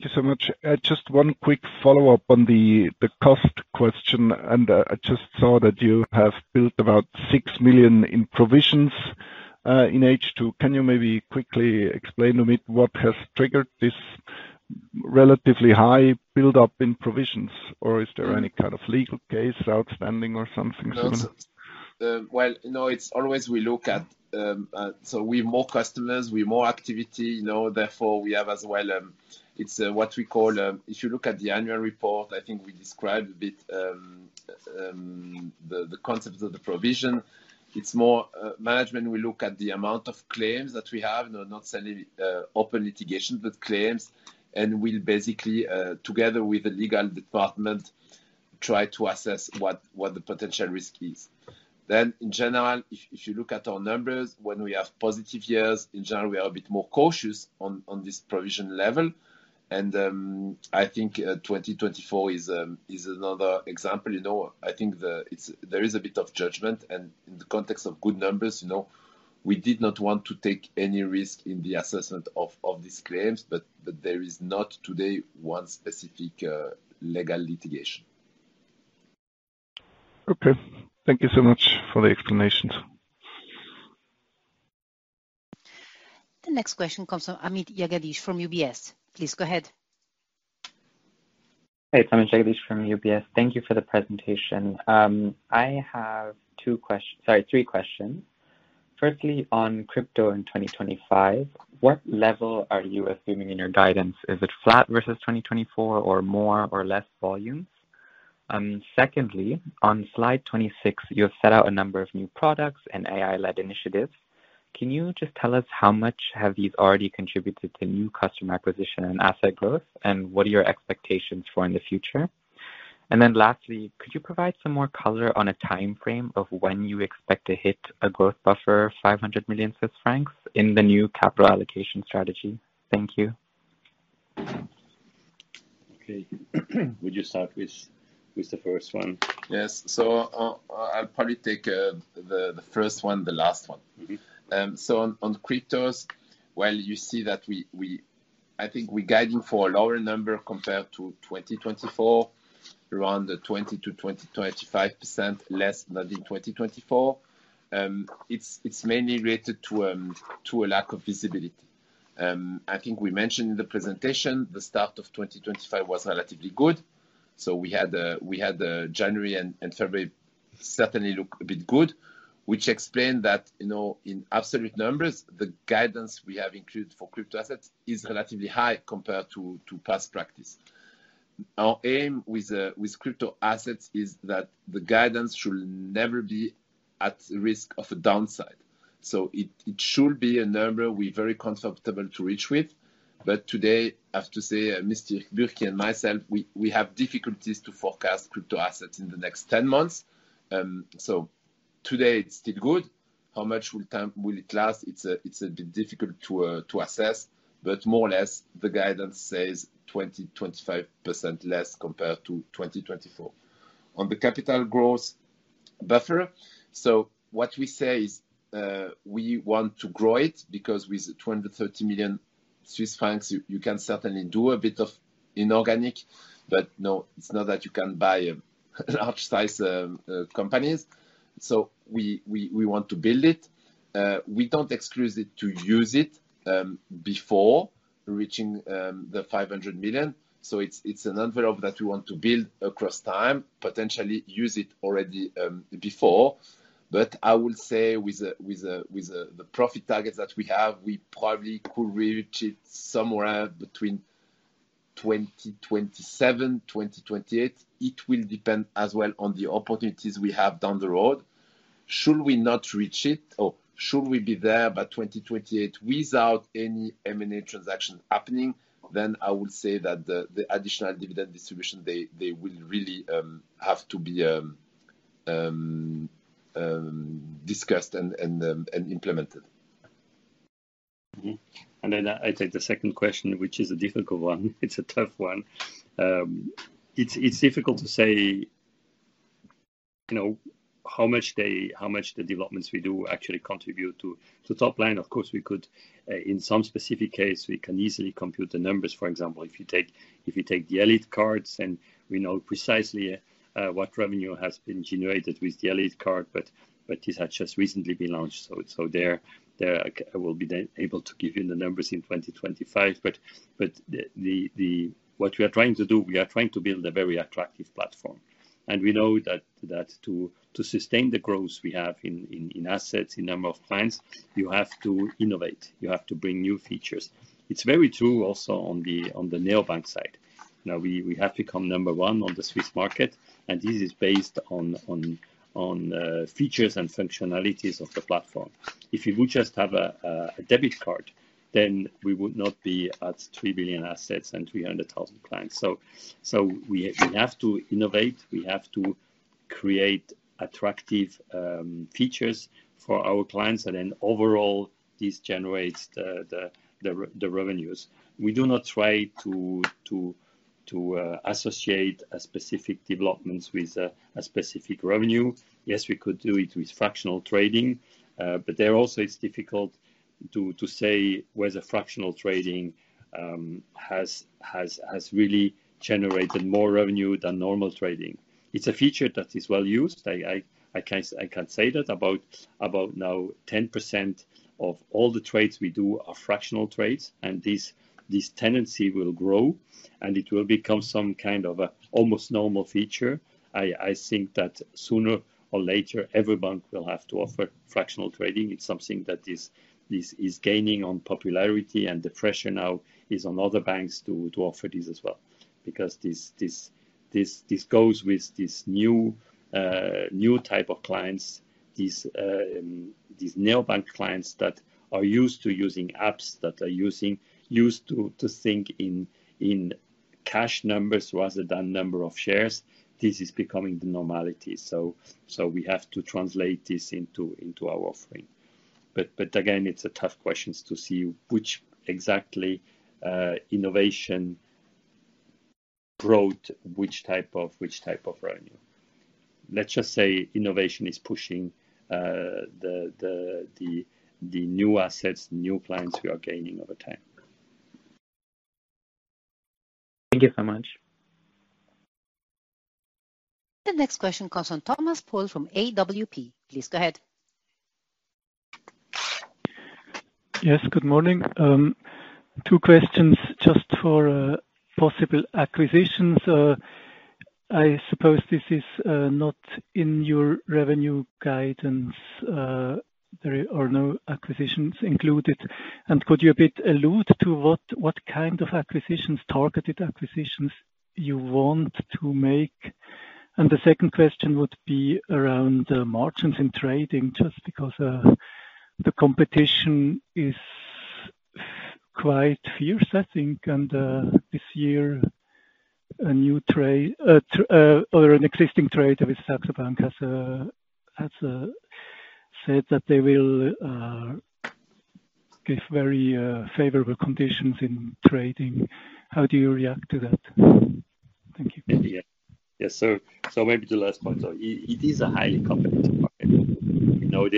[SPEAKER 3] Thank you so much. Just one quick follow-up on the cost question. I just saw that you have built about 6 million in provisions in H2. Can you maybe quickly explain a bit what has triggered this relatively high build-up in provisions, or is there any kind of legal case outstanding or something similar?
[SPEAKER 4] No, it's always we look at so we have more customers, we have more activity. Therefore, we have as well what we call if you look at the annual report, I think we described a bit the concept of the provision. It's more management. We look at the amount of claims that we have, not only open litigation, but claims. We basically, together with the legal department, try to assess what the potential risk is. In general, if you look at our numbers, when we have positive years, in general, we are a bit more cautious on this provision level. I think 2024 is another example. I think there is a bit of judgment. In the context of good numbers, we did not want to take any risk in the assessment of these claims, but there is not today one specific legal litigation.
[SPEAKER 3] Okay. Thank you so much for the explanations.
[SPEAKER 2] The next question comes from Amit Jagadeesh from UBS. Please go ahead.
[SPEAKER 5] Hey, it's Amit Jagadeesh from UBS. Thank you for the presentation. I have two questions, sorry, three questions. Firstly, on crypto in 2025, what level are you assuming in your guidance? Is it flat versus 2024 or more or less volume? Secondly, on slide 26, you have set out a number of new products and AI-led initiatives. Can you just tell us how much have these already contributed to new customer acquisition and asset growth, and what are your expectations for in the future? Lastly, could you provide some more color on a timeframe of when you expect to hit a growth buffer, 500 million Swiss francs, in the new capital allocation strategy? Thank you.
[SPEAKER 1] Okay. Would you start with the first one?
[SPEAKER 4] Yes. I'll probably take the first one, the last one. On cryptos, you see that I think we're guiding for a lower number compared to 2024, around 20%-25% less than in 2024. It's mainly related to a lack of visibility. I think we mentioned in the presentation the start of 2025 was relatively good. We had January and February certainly look a bit good, which explains that in absolute numbers, the guidance we have included for crypto assets is relatively high compared to past practice. Our aim with crypto assets is that the guidance should never be at risk of a downside. It should be a number we're very comfortable to reach with. Today, I have to say, Mr. Bürki and myself, we have difficulties to forecast crypto assets in the next 10 months. Today, it's still good. How much will it last? It's a bit difficult to assess, but more or less, the guidance says 20%-25% less compared to 2024. On the capital growth buffer, what we say is we want to grow it because with 20 million-30 million Swiss francs, you can certainly do a bit of inorganic, but no, it's not that you can buy large-sized companies. We want to build it. We don't exclude to use it before reaching the 500 million. It's an envelope that we want to build across time, potentially use it already before. I will say with the profit targets that we have, we probably could reach it somewhere between 2027-2028. It will depend as well on the opportunities we have down the road. Should we not reach it, or should we be there by 2028 without any M&A transaction happening, I would say that the additional dividend distribution, they will really have to be discussed and implemented. I take the second question, which is a difficult one. It's a tough one. It's difficult to say how much the developments we do actually contribute to the top line. Of course, in some specific case, we can easily compute the numbers. For example, if you take the Elite Card, then we know precisely what revenue has been generated with the Elite Card. These have just recently been launched. I will be able to give you the numbers in 2025. What we are trying to do, we are trying to build a very attractive platform. We know that to sustain the growth we have in assets, in number of clients, you have to innovate. You have to bring new features. It is very true also on the Neobank side. Now, we have become number one on the Swiss market, and this is based on features and functionalities of the platform. If you would just have a debit card, then we would not be at 3 billion assets and 300,000 clients. We have to innovate. We have to create attractive features for our clients. Overall, this generates the revenues. We do not try to associate specific developments with a specific revenue. Yes, we could do it with fractional trading. There also, it's difficult to say whether fractional trading has really generated more revenue than normal trading. It's a feature that is well used. I can't say that. About now, 10% of all the trades we do are fractional trades. This tendency will grow, and it will become some kind of almost normal feature. I think that sooner or later, every bank will have to offer fractional trading. It's something that is gaining on popularity. The pressure now is on other banks to offer this as well because this goes with this new type of clients, these Neobank clients that are used to using apps, that are used to think in cash numbers rather than number of shares. This is becoming the normality. We have to translate this into our offering. Again, it's a tough question to see which exactly innovation brought which type of revenue. Let's just say innovation is pushing the new assets, new clients we are gaining over time.
[SPEAKER 5] Thank you so much.
[SPEAKER 2] The next question comes from Thomas Paul from [SDA]. Please go ahead.
[SPEAKER 6] Yes, good morning. Two questions just for possible acquisitions. I suppose this is not in your revenue guidance or no acquisitions included. Could you a bit allude to what kind of acquisitions, targeted acquisitions you want to make? The second question would be around margins in trading just because the competition is quite fierce, I think. This year, a new trade or an existing trader with Saxo Bank has said that they will give very favorable conditions in trading. How do you react to that? Thank you.
[SPEAKER 1] Yeah. Maybe the last point. It is a highly competitive market. We know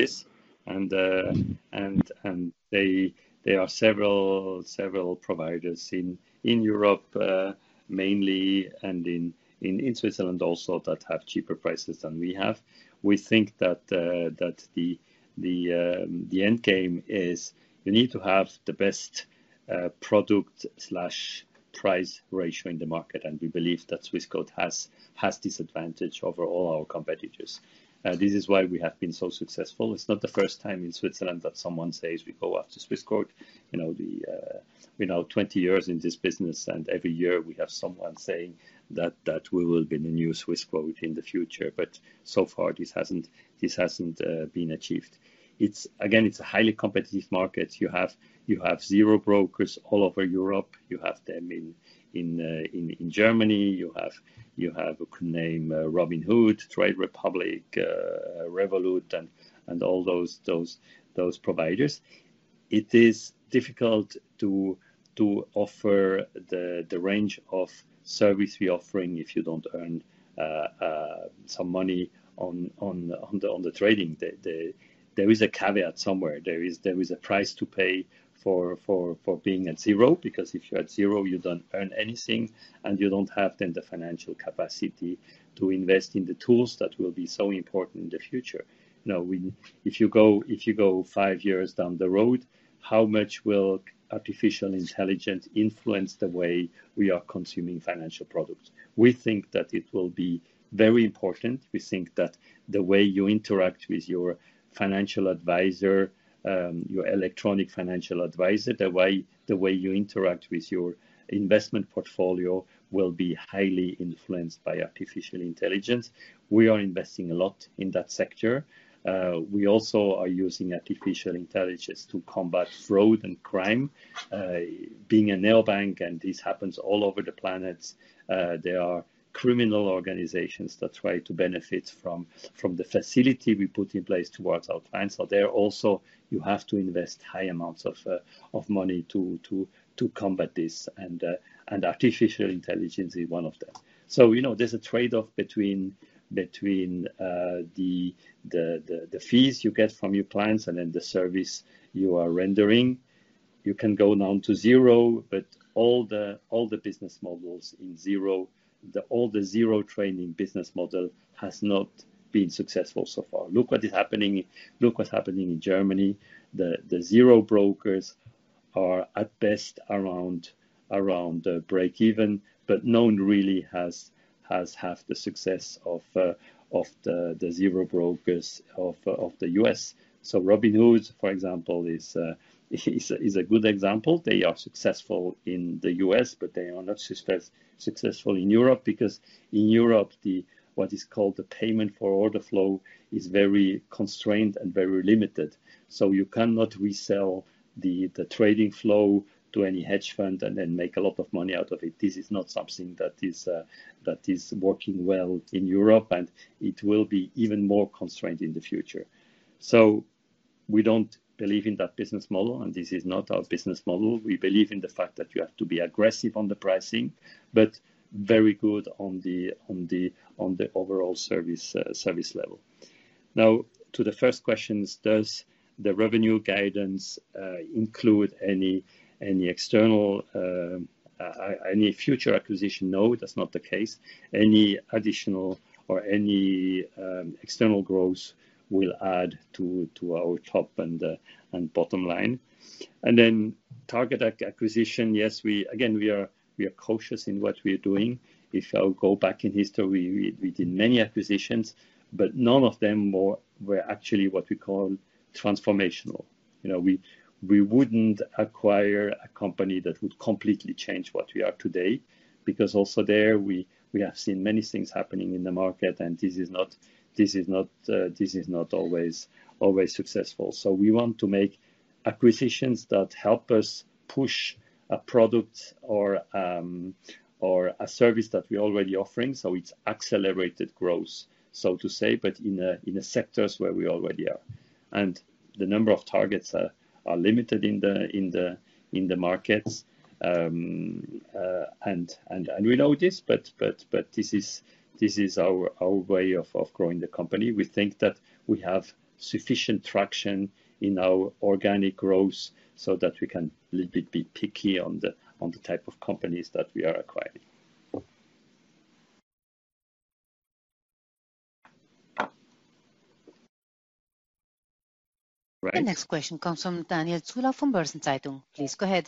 [SPEAKER 1] this. There are several providers in Europe, mainly, and in Switzerland also that have cheaper prices than we have. We think that the end game is you need to have the best product/price ratio in the market. We believe that Swissquote has this advantage over all our competitors. This is why we have been so successful. It is not the first time in Switzerland that someone says, "We go after Swissquote." We are now 20 years in this business, and every year we have someone saying that we will be the new Swissquote in the future. So far, this has not been achieved. Again, it is a highly competitive market. You have zero brokers all over Europe. You have them in Germany. You have a name Robinhood, Trade Republic, Revolut, and all those providers. It is difficult to offer the range of service we're offering if you don't earn some money on the trading. There is a caveat somewhere. There is a price to pay for being at zero because if you're at zero, you don't earn anything, and you don't have then the financial capacity to invest in the tools that will be so important in the future. Now, if you go five years down the road, how much will artificial intelligence influence the way we are consuming financial products? We think that it will be very important. We think that the way you interact with your financial advisor, your electronic financial advisor, the way you interact with your investment portfolio will be highly influenced by artificial intelligence. We are investing a lot in that sector. We also are using artificial intelligence to combat fraud and crime. Being a neobank, and this happens all over the planet, there are criminal organizations that try to benefit from the facility we put in place towards our clients. There also, you have to invest high amounts of money to combat this. Artificial intelligence is one of them. There is a trade-off between the fees you get from your clients and the service you are rendering. You can go down to zero, but all the business models in zero, all the zero-trading business model has not been successful so far. Look what is happening. Look what's happening in Germany. The zero brokers are at best around the break-even, but no one really has the success of the zero brokers of the US. Robinhood, for example, is a good example. They are successful in the U.S., but they are not successful in Europe because in Europe, what is called the payment for order flow is very constrained and very limited. You cannot resell the trading flow to any hedge fund and then make a lot of money out of it. This is not something that is working well in Europe, and it will be even more constrained in the future. We do not believe in that business model, and this is not our business model. We believe in the fact that you have to be aggressive on the pricing, but very good on the overall service level. Now, to the first questions, does the revenue guidance include any external, any future acquisition? No, that is not the case. Any additional or any external growth will add to our top and bottom line. Target acquisition, yes, again, we are cautious in what we are doing. If I go back in history, we did many acquisitions, but none of them were actually what we call transformational. We would not acquire a company that would completely change what we are today because also there, we have seen many things happening in the market, and this is not always successful. We want to make acquisitions that help us push a product or a service that we are already offering. It is accelerated growth, so to say, but in the sectors where we already are. The number of targets are limited in the markets. We know this, but this is our way of growing the company. We think that we have sufficient traction in our organic growth so that we can a little bit be picky on the type of companies that we are acquiring.
[SPEAKER 2] The next question comes from Daniel Schnettler from Börsen-Zeitung. Please go ahead.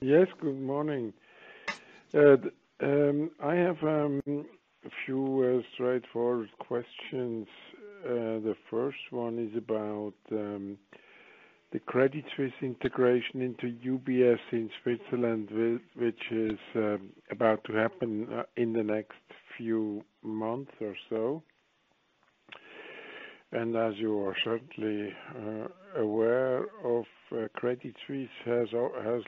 [SPEAKER 7] Yes, good morning. I have a few straightforward questions. The first one is about the Credit Suisse integration into UBS in Switzerland, which is about to happen in the next few months or so. As you are certainly aware of, Credit Suisse has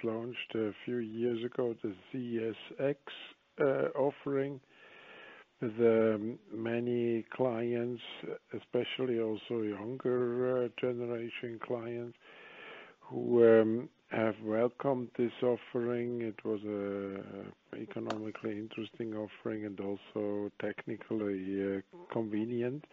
[SPEAKER 7] launched a few years ago the CSX offering. Many clients, especially also younger generation clients, have welcomed this offering. It was an economically interesting offering and also technically convenient.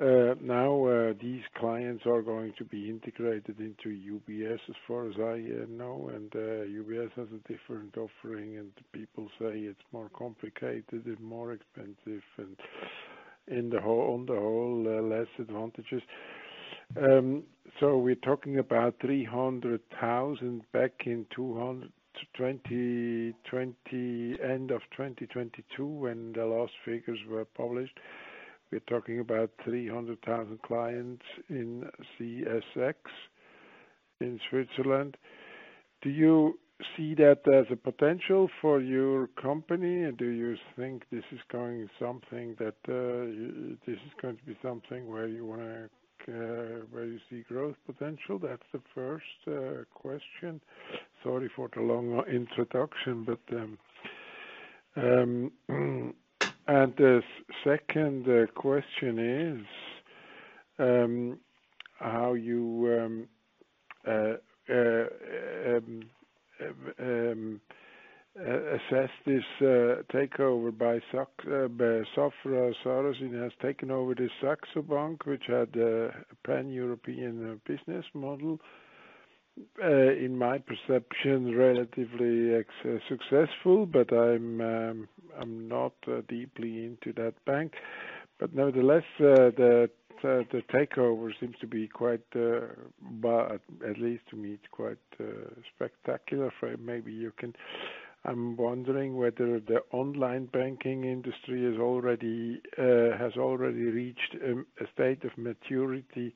[SPEAKER 7] Now, these clients are going to be integrated into UBS as far as I know. UBS has a different offering, and people say it is more complicated, more expensive, and on the whole, less advantageous. We're talking about 300,000 back in end of 2022 when the last figures were published. We're talking about 300,000 clients in CSX in Switzerland. Do you see that as a potential for your company? Do you think this is going to be something that this is going to be something where you see growth potential? That's the first question. Sorry for the long introduction. The second question is how you assess this takeover by Safra Sarasin has taken over the Saxo Bank, which had a pan-European business model, in my perception, relatively successful, but I'm not deeply into that bank. Nevertheless, the takeover seems to be quite, at least to me, it's quite spectacular. Maybe you can—I'm wondering whether the online banking industry has already reached a state of maturity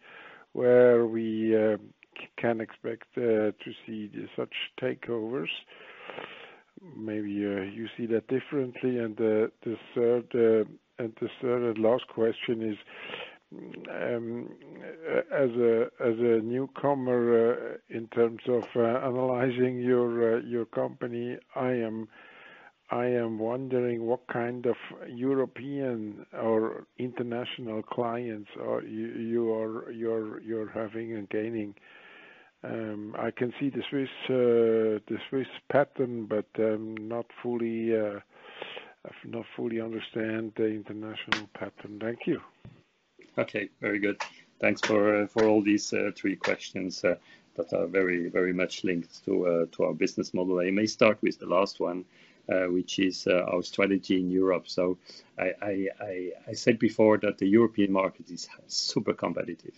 [SPEAKER 7] where we can expect to see such takeovers. Maybe you see that differently. The third and last question is, as a newcomer in terms of analyzing your company, I am wondering what kind of European or international clients you are having and gaining. I can see the Swiss pattern, but I do not fully understand the international pattern. Thank you.
[SPEAKER 1] Okay. Very good. Thanks for all these three questions that are very much linked to our business model. I may start with the last one, which is our strategy in Europe. I said before that the European market is super competitive.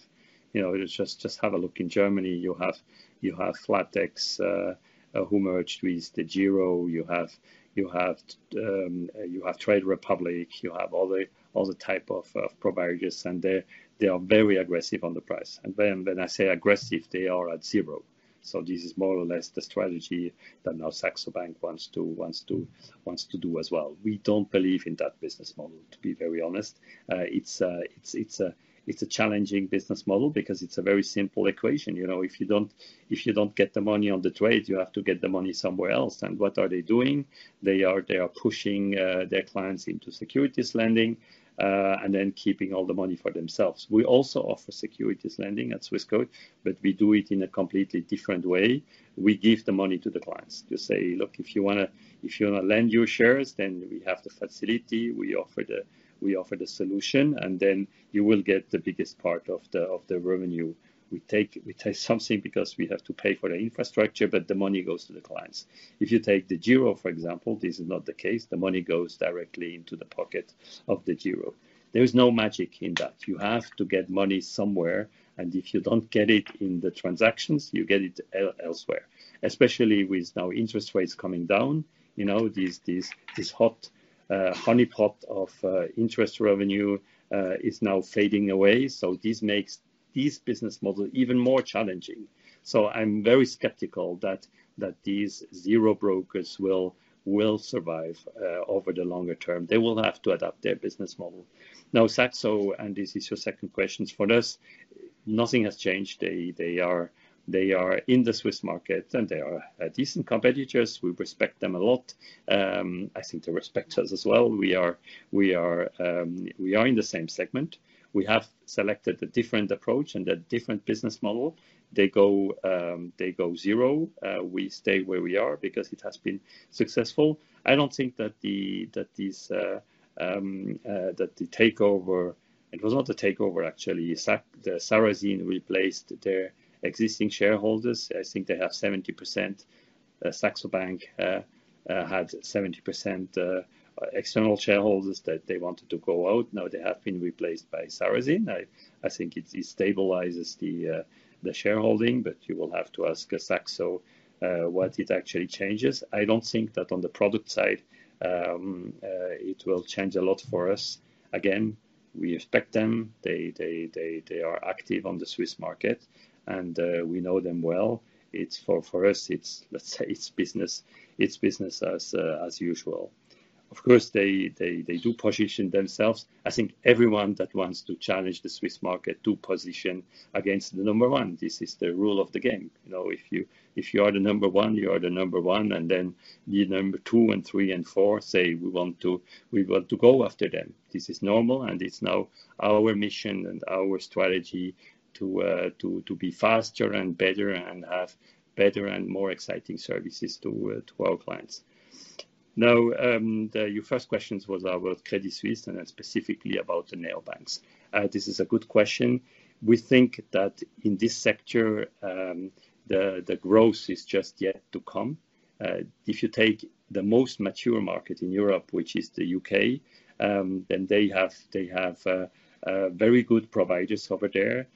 [SPEAKER 1] Just have a look in Germany. You have Flatex who merged with DEGIRO. You have Trade Republic. You have all the type of providers, and they are very aggressive on the price. When I say aggressive, they are at zero. This is more or less the strategy that now Saxo Bank wants to do as well. We don't believe in that business model, to be very honest. It's a challenging business model because it's a very simple equation. If you don't get the money on the trade, you have to get the money somewhere else. What are they doing? They are pushing their clients into securities lending and then keeping all the money for themselves. We also offer securities lending at Swissquote, but we do it in a completely different way. We give the money to the clients to say, "Look, if you want to lend your shares, then we have the facility. We offer the solution, and then you will get the biggest part of the revenue." We take something because we have to pay for the infrastructure, but the money goes to the clients. If you take DEGIRO, for example, this is not the case. The money goes directly into the pocket of DEGIRO. There is no magic in that. You have to get money somewhere, and if you do not get it in the transactions, you get it elsewhere, especially with now interest rates coming down. This hot honeypot of interest revenue is now fading away. This makes this business model even more challenging. I am very skeptical that these zero brokers will survive over the longer term. They will have to adapt their business model. Now, Saxo, and this is your second question for us, nothing has changed. They are in the Swiss market, and they are decent competitors. We respect them a lot. I think they respect us as well. We are in the same segment. We have selected a different approach and a different business model. They go zero. We stay where we are because it has been successful. I don't think that the takeover—it was not a takeover, actually. Sarasin replaced their existing shareholders. I think they have 70%. Saxo Bank had 70% external shareholders that they wanted to go out. Now, they have been replaced by Sarasin. I think it stabilizes the shareholding, but you will have to ask Saxo what it actually changes. I don't think that on the product side, it will change a lot for us. Again, we respect them. They are active on the Swiss market, and we know them well. For us, let's say it's business as usual. Of course, they do position themselves. I think everyone that wants to challenge the Swiss market to position against the number one. This is the rule of the game. If you are the number one, you are the number one. The number two and three and four say, "We want to go after them." This is normal, and it is now our mission and our strategy to be faster and better and have better and more exciting services to our clients. Your first question was about Credit Suisse and specifically about the Neobanks. This is a good question. We think that in this sector, the growth is just yet to come. If you take the most mature market in Europe, which is the U.K., they have very good providers over there,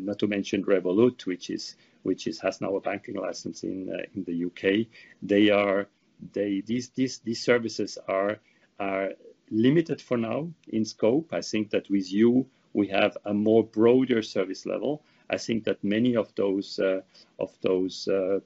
[SPEAKER 1] not to mention Revolut, which has now a banking license in the U.K. These services are limited for now in scope. I think that with Yuh, we have a more broader service level. I think that many of those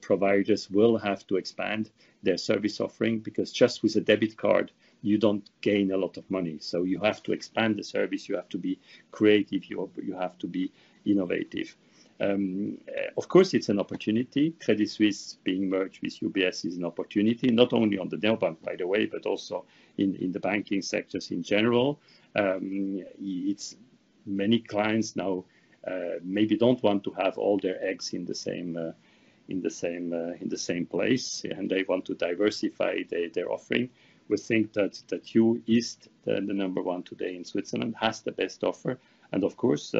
[SPEAKER 1] providers will have to expand their service offering because just with a debit card, you do not gain a lot of money. You have to expand the service. You have to be creative. You have to be innovative. Of course, it is an opportunity. Credit Suisse being merged with UBS is an opportunity, not only on the Neobank, by the way, but also in the banking sectors in general. Many clients now maybe do not want to have all their eggs in the same place, and they want to diversify their offering. We think that Yuh is the number one today in Switzerland, has the best offer. Of course,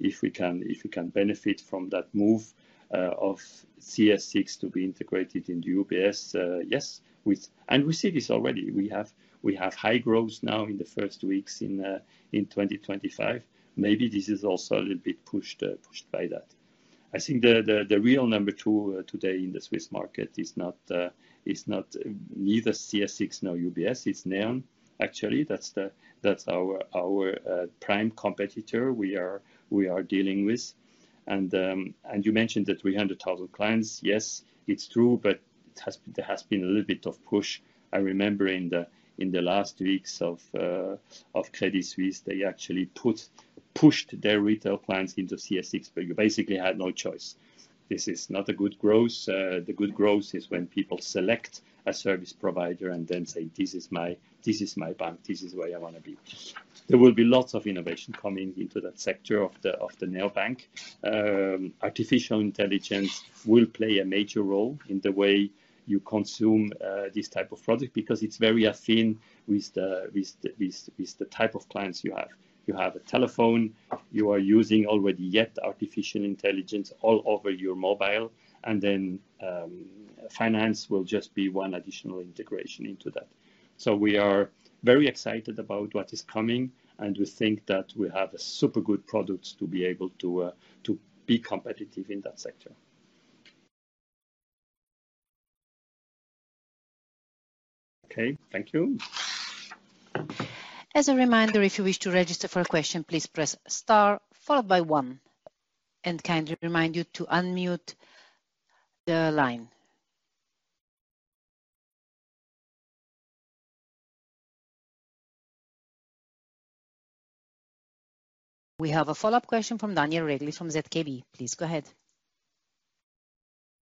[SPEAKER 1] if we can benefit from that move of CSX to be integrated into UBS, yes. We see this already. We have high growth now in the first weeks in 2025. Maybe this is also a little bit pushed by that. I think the real number two today in the Swiss market is not neither CSX nor UBS. It's Neon, actually. That's our prime competitor we are dealing with. You mentioned the 300,000 clients. Yes, it's true, but there has been a little bit of push. I remember in the last weeks of Credit Suisse, they actually pushed their retail plans into CSX, but you basically had no choice. This is not a good growth. The good growth is when people select a service provider and then say, "This is my bank. This is where I want to be." There will be lots of innovation coming into that sector of the Neobank. Artificial intelligence will play a major role in the way you consume this type of product because it's very affin with the type of clients you have. You have a telephone. You are using already yet artificial intelligence all over your mobile. Finance will just be one additional integration into that. We are very excited about what is coming, and we think that we have super good products to be able to be competitive in that sector.
[SPEAKER 2] Thank you. As a reminder, if you wish to register for a question, please press star followed by one. Kindly remind you to unmute the line. We have a follow-up question from Daniel Regli from ZKB. Please go ahead.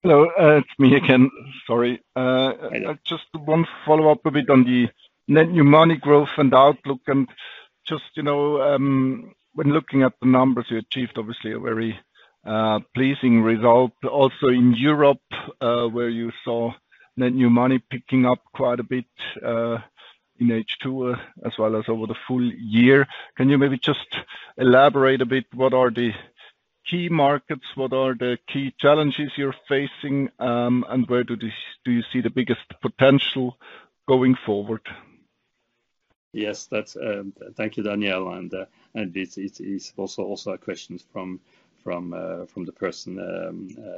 [SPEAKER 3] Hello. It's me again. Sorry. Just one follow-up a bit on the net new money growth and outlook. Just when looking at the numbers, you achieved, obviously, a very pleasing result. Also in Europe, where you saw net new money picking up quite a bit in H2 as well as over the full year. Can you maybe just elaborate a bit? What are the key markets? What are the key challenges you're facing? Where do you see the biggest potential going forward?
[SPEAKER 1] Yes. Thank you, Daniel. It's also a question from the person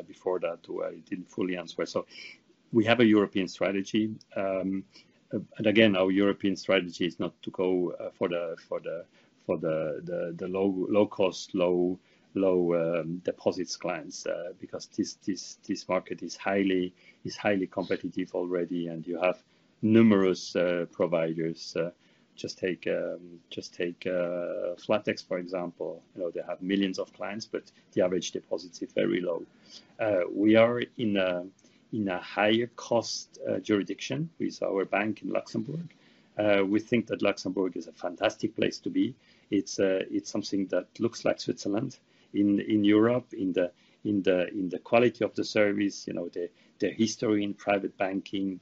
[SPEAKER 1] before that who I didn't fully answer. We have a European strategy. Again, our European strategy is not to go for the low-cost, low-deposits clients because this market is highly competitive already, and you have numerous providers. Just take Flatex, for example. They have millions of clients, but the average deposit is very low. We are in a higher-cost jurisdiction with our bank in Luxembourg. We think that Luxembourg is a fantastic place to be. It's something that looks like Switzerland in Europe, in the quality of the service, the history in private banking,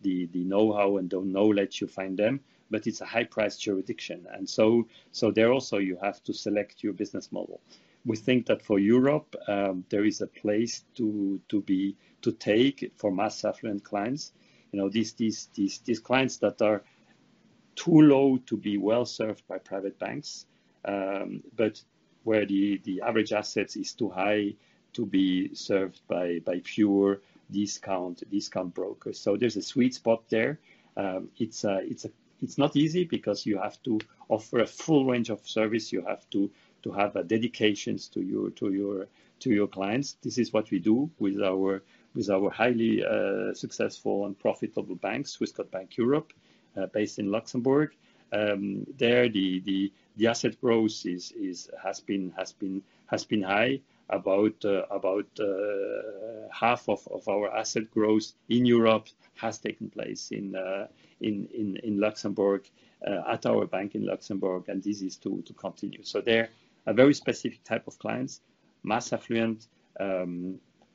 [SPEAKER 1] the know-how and don't know let you find them. It is a high-priced jurisdiction. There also, you have to select your business model. We think that for Europe, there is a place to take for mass affluent clients. These clients that are too low to be well-served by private banks, but where the average assets is too high to be served by fewer discount brokers. There is a sweet spot there. It is not easy because you have to offer a full range of service. You have to have dedication to your clients. This is what we do with our highly successful and profitable bank, Swissquote Bank Europe, based in Luxembourg. There, the asset growth has been high. About half of our asset growth in Europe has taken place in Luxembourg at our bank in Luxembourg, and this is to continue. They're a very specific type of clients, mass affluent,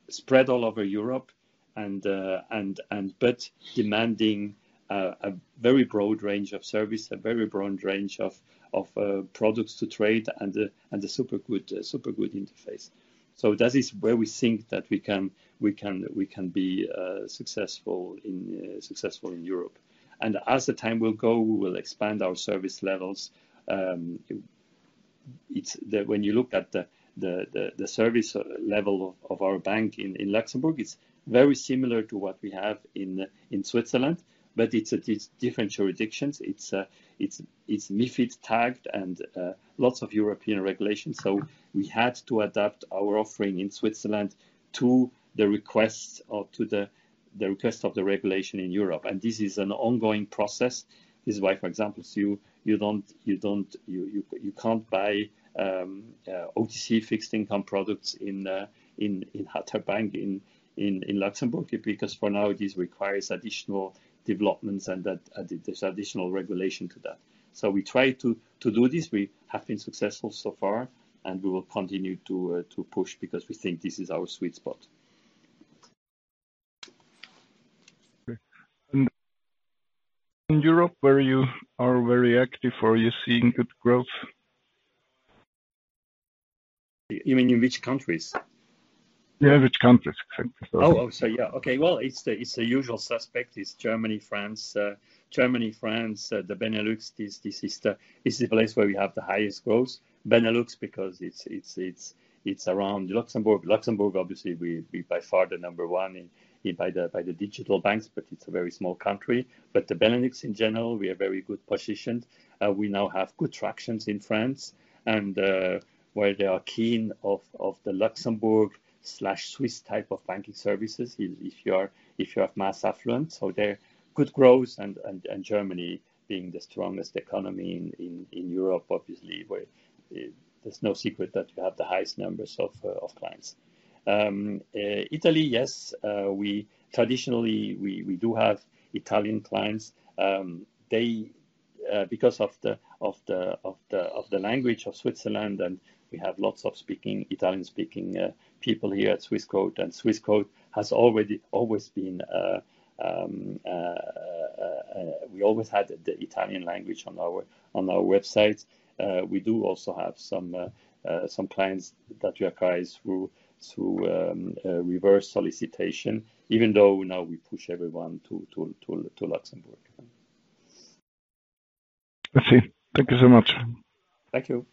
[SPEAKER 1] spread all over Europe, but demanding a very broad range of service, a very broad range of products to trade, and a super good interface. That is where we think that we can be successful in Europe. As time will go, we will expand our service levels. When you look at the service level of our bank in Luxembourg, it's very similar to what we have in Switzerland, but it's different jurisdictions. It's MIFID tagged and lots of European regulations. We had to adapt our offering in Switzerland to the request of the regulation in Europe. This is an ongoing process. This is why, for example, you can't buy OTC fixed income products in our bank in Luxembourg because for now, it requires additional developments and there's additional regulation to that. We try to do this. We have been successful so far, and we will continue to push because we think this is our sweet spot.
[SPEAKER 3] In Europe, where you are very active or you are seeing good growth?
[SPEAKER 1] You mean in which countries?
[SPEAKER 3] Yeah, which countries.
[SPEAKER 1] Oh, okay. Yeah. Okay. It is the usual suspect. It is Germany, France. Germany, France, the Benelux, this is the place where we have the highest growth. Benelux because it is around Luxembourg. Luxembourg, obviously, we are by far the number one by the digital banks, but it is a very small country. The Benelux, in general, we are very good positioned. We now have good tractions in France, and where they are keen of the Luxembourg/Swiss type of banking services if you have mass affluence. There is good growth, and Germany being the strongest economy in Europe, obviously, where there is no secret that you have the highest numbers of clients. Italy, yes. Traditionally, we do have Italian clients. Because of the language of Switzerland, and we have lots of Italian-speaking people here at Swissquote. And Swissquote has always been we always had the Italian language on our website. We do also have some clients that we acquire through reverse solicitation, even though now we push everyone to Luxembourg.
[SPEAKER 3] I see. Thank you so much.
[SPEAKER 2] Thank you.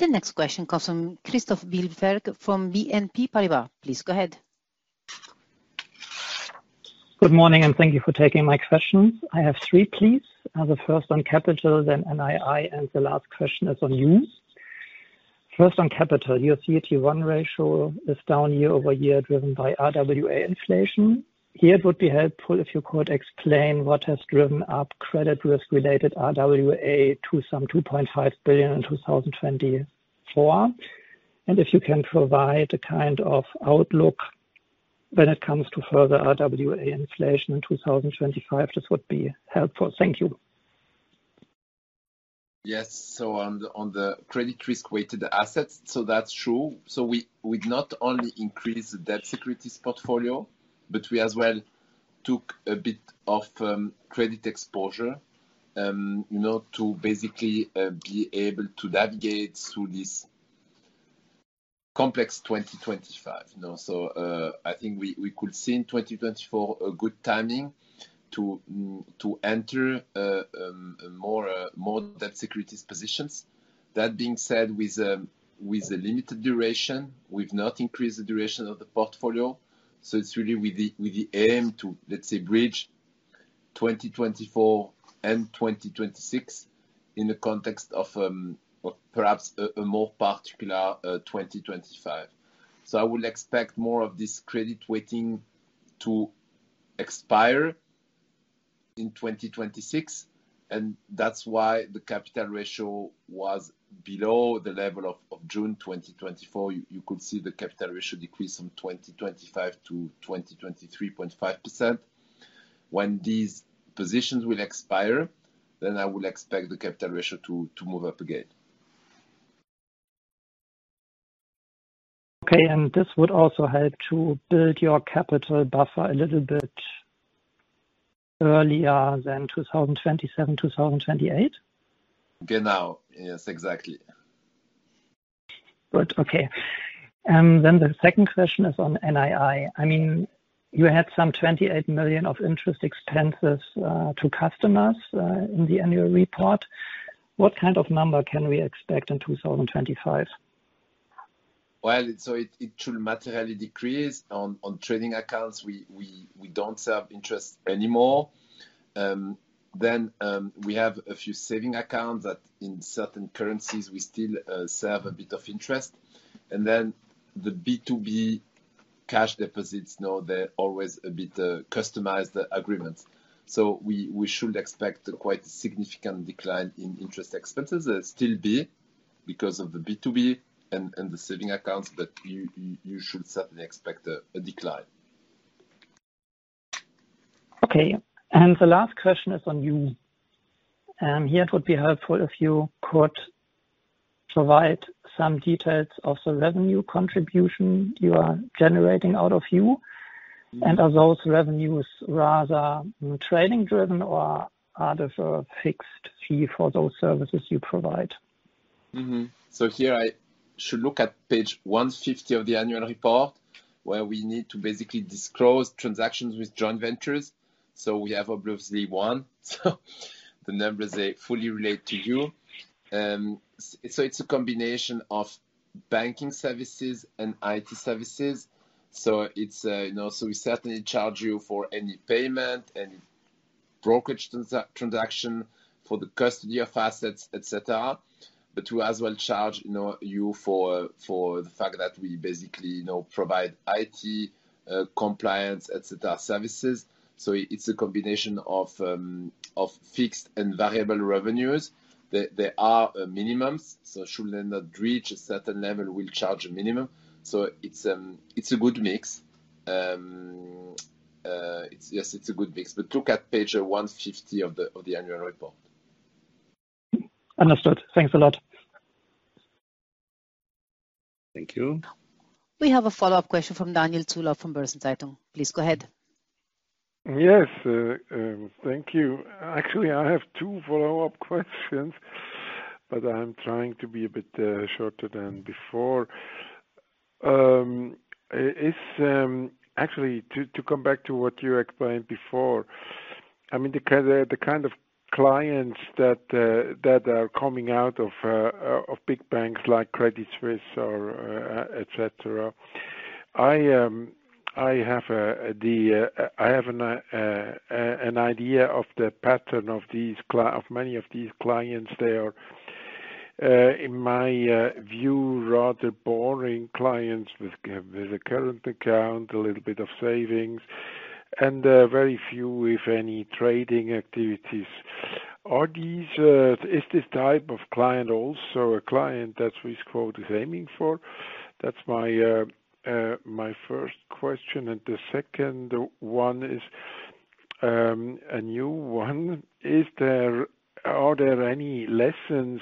[SPEAKER 2] The next question comes from Christoph Blieffert from BNP Paribas. Please go ahead.
[SPEAKER 8] Good morning, and thank you for taking my questions. I have three, please. The first on capital, then NII, and the last question is on Yuh. First on capital, your CET1 ratio is down year-over-year driven by RWA inflation. Here, it would be helpful if you could explain what has driven up credit risk-related RWA to some 2.5 billion in 2024. If you can provide a kind of outlook when it comes to further RWA inflation in 2025, this would be helpful. Thank you.
[SPEAKER 4] Yes. On the credit risk-weighted assets, that is true. We not only increased the debt securities portfolio, but we as well took a bit of credit exposure to basically be able to navigate through this complex 2025. I think we could see in 2024 a good timing to enter more debt securities positions. That being said, with a limited duration, we have not increased the duration of the portfolio. It is really with the aim to, let's say, bridge 2024 and 2026 in the context of perhaps a more particular 2025. I would expect more of this credit waiting to expire in 2026. That is why the capital ratio was below the level of June 2024. You could see the capital ratio decrease from 2025 to 23.5%. When these positions will expire, I would expect the capital ratio to move up again.
[SPEAKER 8] Okay. This would also help to build your capital buffer a little bit earlier than 2027, 2028? Okay. Yes, exactly. Good. Okay. The second question is on NII. I mean, you had some 28 million of interest expenses to customers in the annual report. What kind of number can we expect in 2025?
[SPEAKER 4] It should materially decrease. On trading accounts, we do not serve interest anymore. We have a few saving accounts that in certain currencies, we still serve a bit of interest. The B2B cash deposits, they're always a bit customized agreements. You should expect quite a significant decline in interest expenses. There will still be because of the B2B and the saving accounts, but you should certainly expect a decline.
[SPEAKER 8] The last question is on Yuh. Here, it would be helpful if you could provide some details of the revenue contribution you are generating out of Yuh. Are those revenues rather trading-driven or out of a fixed fee for those services you provide?
[SPEAKER 4] Here, I should look at page 150 of the annual report where we need to basically disclose transactions with joint ventures. We have obviously one. The numbers, they fully relate to Yuh. It is a combination of banking services and IT services. We certainly charge Yuh for any payment, any brokerage transaction, for the custody of assets, etc. We as well charge you for the fact that we basically provide IT compliance, etc. services. It is a combination of fixed and variable revenues. There are minimums. Should they not reach a certain level, we will charge a minimum. It is a good mix. Yes, it is a good mix. Look at page 150 of the annual report.
[SPEAKER 8] Understood. Thanks a lot.
[SPEAKER 2] Thank you. We have a follow-up question from Daniel Schnettler from Börsen-Zeitung. Please go ahead.
[SPEAKER 7] Yes. Thank you. Actually, I have two follow-up questions, but I am trying to be a bit shorter than before. Actually, to come back to what you explained before, I mean, the kind of clients that are coming out of big banks like Credit Suisse, etc., I have an idea of the pattern of many of these clients. They are, in my view, rather boring clients with a current account, a little bit of savings, and very few, if any, trading activities. Is this type of client also a client that Swissquote is aiming for? That's my first question. The second one is a new one. Are there any lessons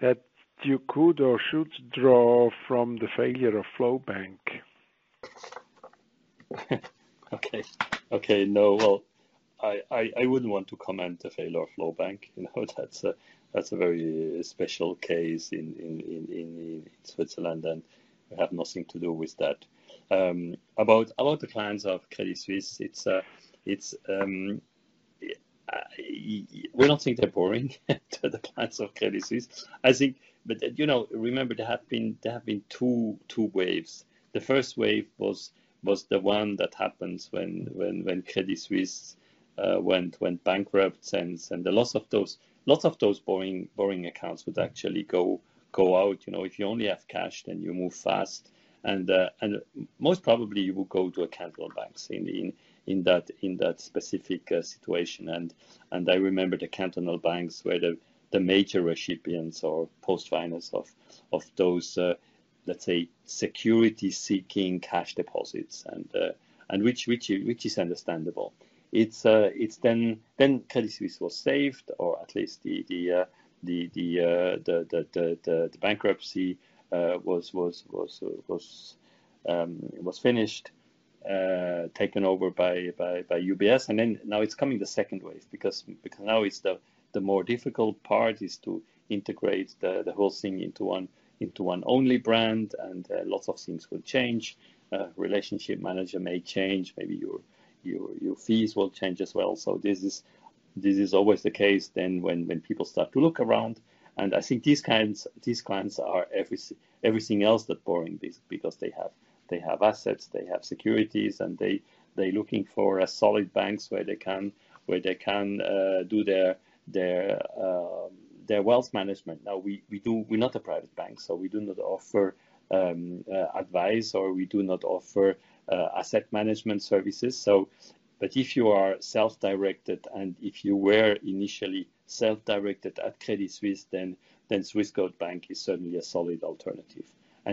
[SPEAKER 7] that you could or should draw from the failure of Flowbank?
[SPEAKER 1] Okay. No. I wouldn't want to comment on the failure of Flowbank. That's a very special case in Switzerland, and we have nothing to do with that. About the clients of Credit Suisse, we don't think they're boring, the clients of Credit Suisse. Remember, there have been two waves. The first wave was the one that happens when Credit Suisse went bankrupt, and lots of those boring accounts would actually go out. If you only have cash, then you move fast. Most probably, you will go to a cantonal bank in that specific situation. I remember the cantonal banks were the major recipients or post-finals of those, let's say, security-seeking cash deposits, which is understandable. Credit Suisse was saved, or at least the bankruptcy was finished, taken over by UBS. Now it is coming, the second wave, because now the more difficult part is to integrate the whole thing into one-only brand, and lots of things will change. Relationship manager may change. Maybe your fees will change as well. This is always the case when people start to look around. I think these clients are everything else but boring because they have assets, they have securities, and they are looking for solid banks where they can do their wealth management. Now, we're not a private bank, so we do not offer advice or we do not offer asset management services. If you are self-directed and if you were initially self-directed at Credit Suisse, then Swissquote Bank is certainly a solid alternative.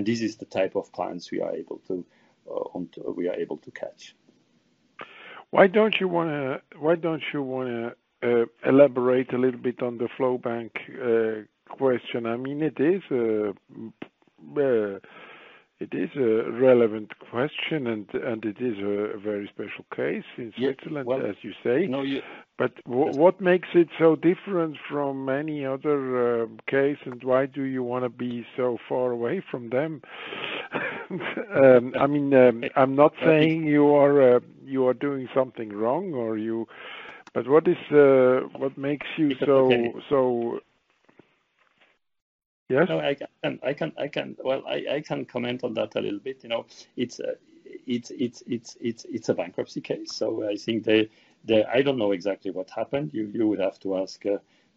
[SPEAKER 1] This is the type of clients we are able to catch. Why don't you want to elaborate a little bit on the Flowbank question? I mean, it is a relevant question, and it is a very special case in Switzerland, as you say. What makes it so different from any other case, and why do you want to be so far away from them? I mean, I'm not saying you are doing something wrong, but what makes you so—yes. No, I can. I can comment on that a little bit. It's a bankruptcy case. I think I don't know exactly what happened. You would have to ask.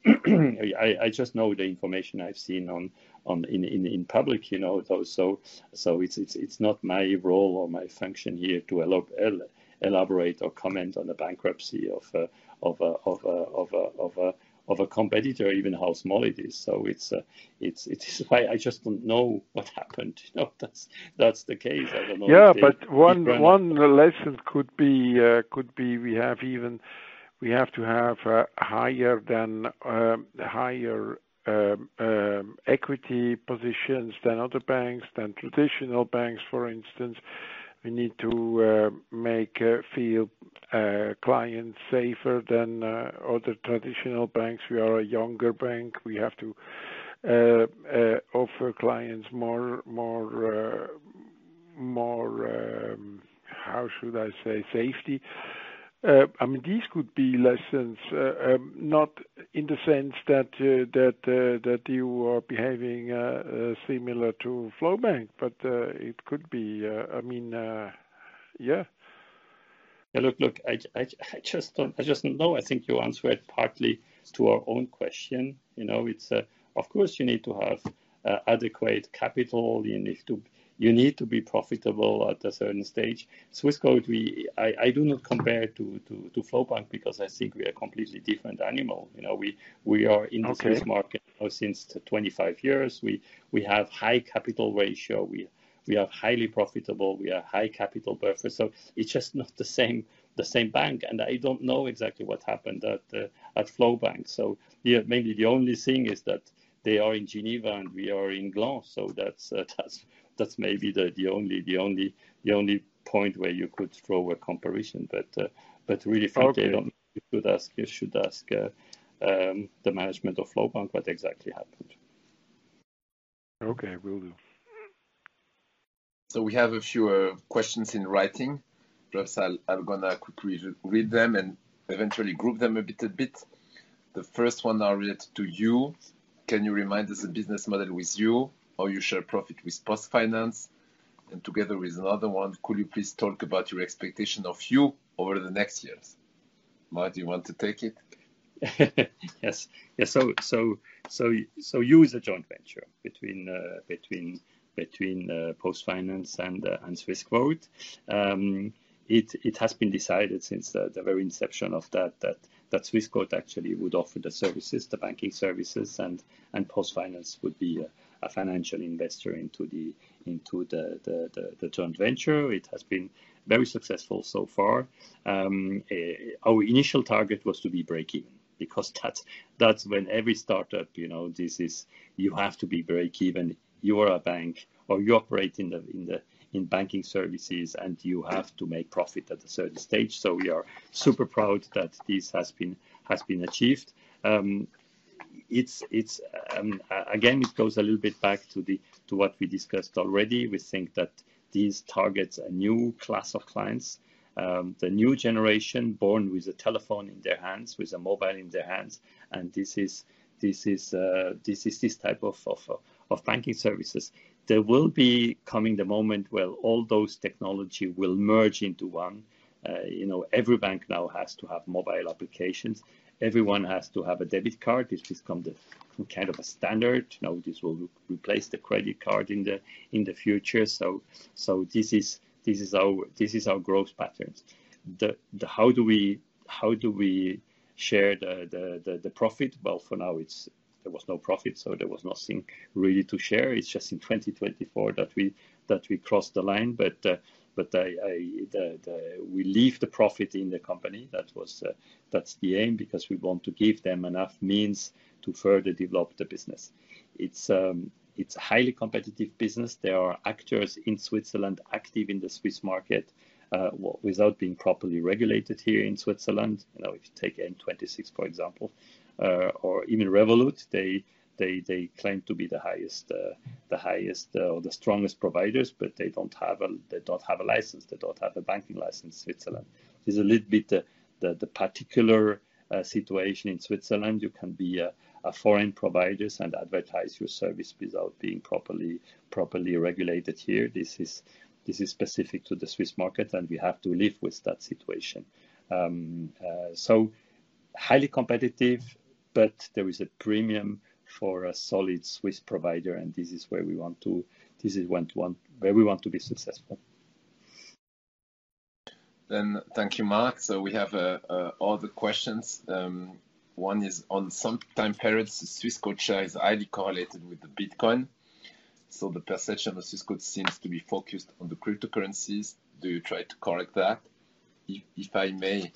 [SPEAKER 1] I just know the information I've seen in public. It's not my role or my function here to elaborate or comment on the bankruptcy of a competitor, even how small it is. That's why I just don't know what happened. That's the case. I don't know if you—yeah, but one lesson could be we have to have higher equity positions than other banks, than traditional banks, for instance. We need to make clients safer than other traditional banks. We are a younger bank. We have to offer clients more—how should I say—safety. I mean, these could be lessons, not in the sense that you are behaving similar to Flowbank, but it could be. I mean, yeah. Look, I just don't know. I think you answered partly to our own question. Of course, you need to have adequate capital. You need to be profitable at a certain stage. Swissquote, I do not compare to Flowbank because I think we are a completely different animal. We are in the Swiss market now since 25 years. We have a high capital ratio. We are highly profitable. We have a high capital buffer. It is just not the same bank. I do not know exactly what happened at Flowbank. Maybe the only thing is that they are in Geneva and we are in Gland. That is maybe the only point where you could draw a comparison. Really, frankly, I do not know. You should ask the management of Flowbank what exactly happened.
[SPEAKER 7] Okay. Will do. We have a few questions in writing. First, I am going to quickly read them and eventually group them a bit. The first one is related to you. Can you remind us of the business model with Yuh? Are you sharing profit with PostFinance? Together with another one, could you please talk about your expectation of Yuh over the next years? Martin, you want to take it?
[SPEAKER 1] Yes. Yuh is a joint venture between PostFinance and Swissquote. It has been decided since the very inception of that that Swissquote actually would offer the services, the banking services, and PostFinance would be a financial investor into the joint venture. It has been very successful so far. Our initial target was to be break-even because that's when every startup, you have to be break-even. You are a bank or you operate in banking services, and you have to make profit at a certain stage. We are super proud that this has been achieved. Again, it goes a little bit back to what we discussed already. We think that these targets a new class of clients, the new generation born with a telephone in their hands, with a mobile in their hands. This is this type of banking services. There will be coming the moment where all those technologies will merge into one. Every bank now has to have mobile applications. Everyone has to have a debit card. This becomes kind of a standard. This will replace the credit card in the future. This is our growth pattern. How do we share the profit? For now, there was no profit, so there was nothing really to share. It is just in 2024 that we crossed the line. We leave the profit in the company. That is the aim because we want to give them enough means to further develop the business. It is a highly competitive business. There are actors in Switzerland active in the Swiss market without being properly regulated here in Switzerland. Now, if you take N26, for example, or even Revolut, they claim to be the highest or the strongest providers, but they do not have a license. They do not have a banking license in Switzerland. This is a little bit the particular situation in Switzerland. You can be a foreign provider and advertise your service without being properly regulated here. This is specific to the Swiss market, and we have to live with that situation. Highly competitive, but there is a premium for a solid Swiss provider, and this is where we want to—this is where we want to be successful.
[SPEAKER 2] Thank you, Marc. We have all the questions. One is on some time periods, Swissquote shares are highly correlated with Bitcoin. The perception of Swissquote seems to be focused on the cryptocurrencies. Do you try to correct that?
[SPEAKER 1] If I may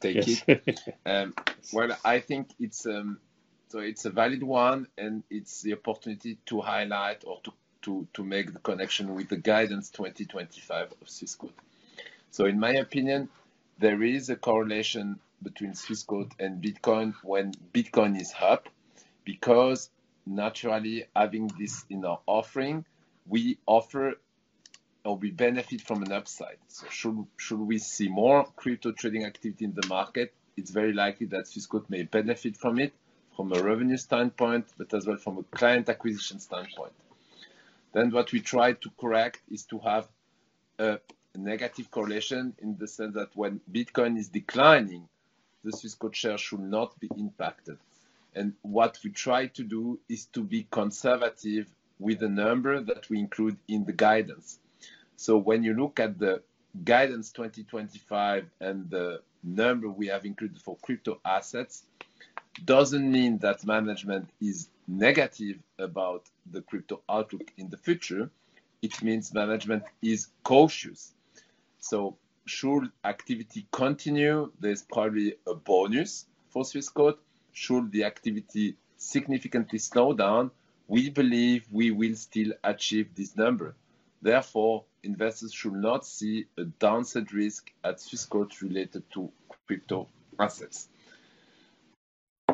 [SPEAKER 1] take it. I think it's a valid one, and it's the opportunity to highlight or to make the connection with the guidance 2025 of Swissquote. In my opinion, there is a correlation between Swissquote and Bitcoin when Bitcoin is up because naturally, having this in our offering, we offer or we benefit from an upside. Should we see more crypto trading activity in the market, it's very likely that Swissquote may benefit from it from a revenue standpoint, but as well from a client acquisition standpoint. What we try to correct is to have a negative correlation in the sense that when Bitcoin is declining, the Swissquote shares should not be impacted. What we try to do is to be conservative with the number that we include in the guidance. When you look at the guidance 2025 and the number we have included for crypto assets, it does not mean that management is negative about the crypto outlook in the future. It means management is cautious. Should activity continue, there is probably a bonus for Swissquote. Should the activity significantly slow down, we believe we will still achieve this number. Therefore, investors should not see a downside risk at Swissquote related to crypto assets.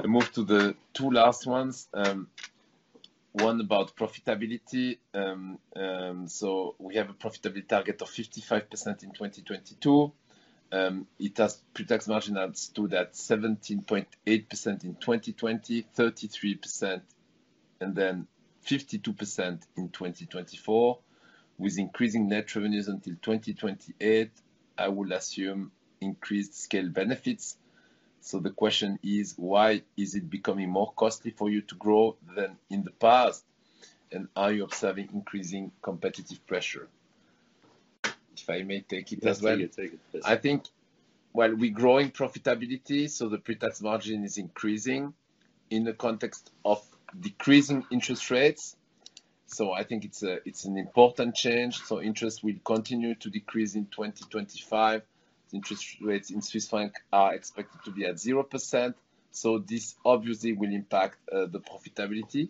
[SPEAKER 1] I move to the two last ones, one about profitability. We have a profitability target of 55% in 2022. It has pretax margin adds to that 17.8% in 2020, 33%, and then 52% in 2024 with increasing net revenues until 2028. I would assume increased scale benefits.
[SPEAKER 2] The question is, why is it becoming more costly for you to grow than in the past? Are you observing increasing competitive pressure?
[SPEAKER 4] If I may take it as well. Yes, take it. Yes. I think, we're growing profitability, so the pretax margin is increasing in the context of decreasing interest rates. I think it's an important change. Interest will continue to decrease in 2025. Interest rates in Swiss banks are expected to be at 0%. This obviously will impact the profitability.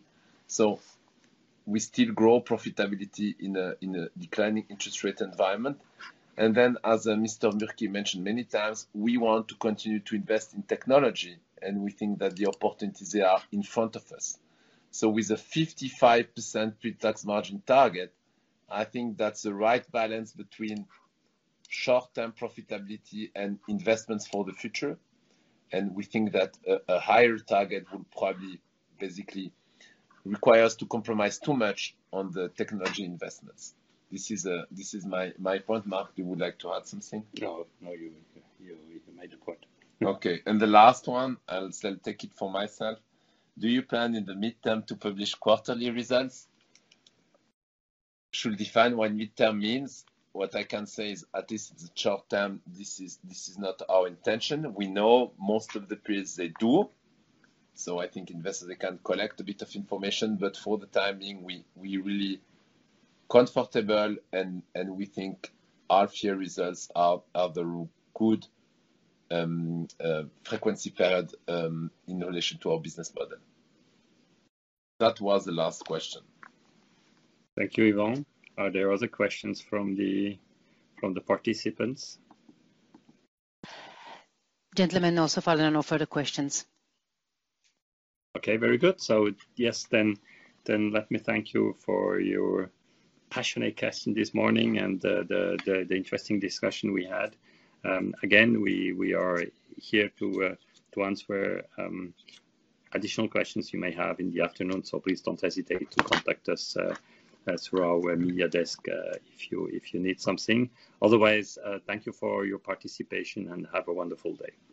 [SPEAKER 4] We still grow profitability in a declining interest rate environment. As Mr. Bürki mentioned many times, we want to continue to invest in technology, and we think that the opportunities are in front of us. With a 55% pretax margin target, I think that's the right balance between short-term profitability and investments for the future. We think that a higher target will probably basically require us to compromise too much on the technology investments. This is my point, Marc. Do you would like to add something?
[SPEAKER 1] No, you made a point.
[SPEAKER 4] Okay. The last one, I'll take it for myself. Do you plan in the midterm to publish quarterly results? Should define what midterm means. What I can say is, at least in the short term, this is not our intention. We know most of the periods they do. I think investors, they can collect a bit of information. For the time being, we're really comfortable, and we think our year results are the good frequency paired in relation to our business model. That was the last question.
[SPEAKER 2] Thank you, Yvan. Are there other questions from the participants? Gentlemen also filed no further questions. Okay. Very good.
[SPEAKER 1] Yes, let me thank you for your passionate question this morning and the interesting discussion we had. Again, we are here to answer additional questions you may have in the afternoon. Please do not hesitate to contact us through our media desk if you need something. Otherwise, thank you for your participation and have a wonderful day.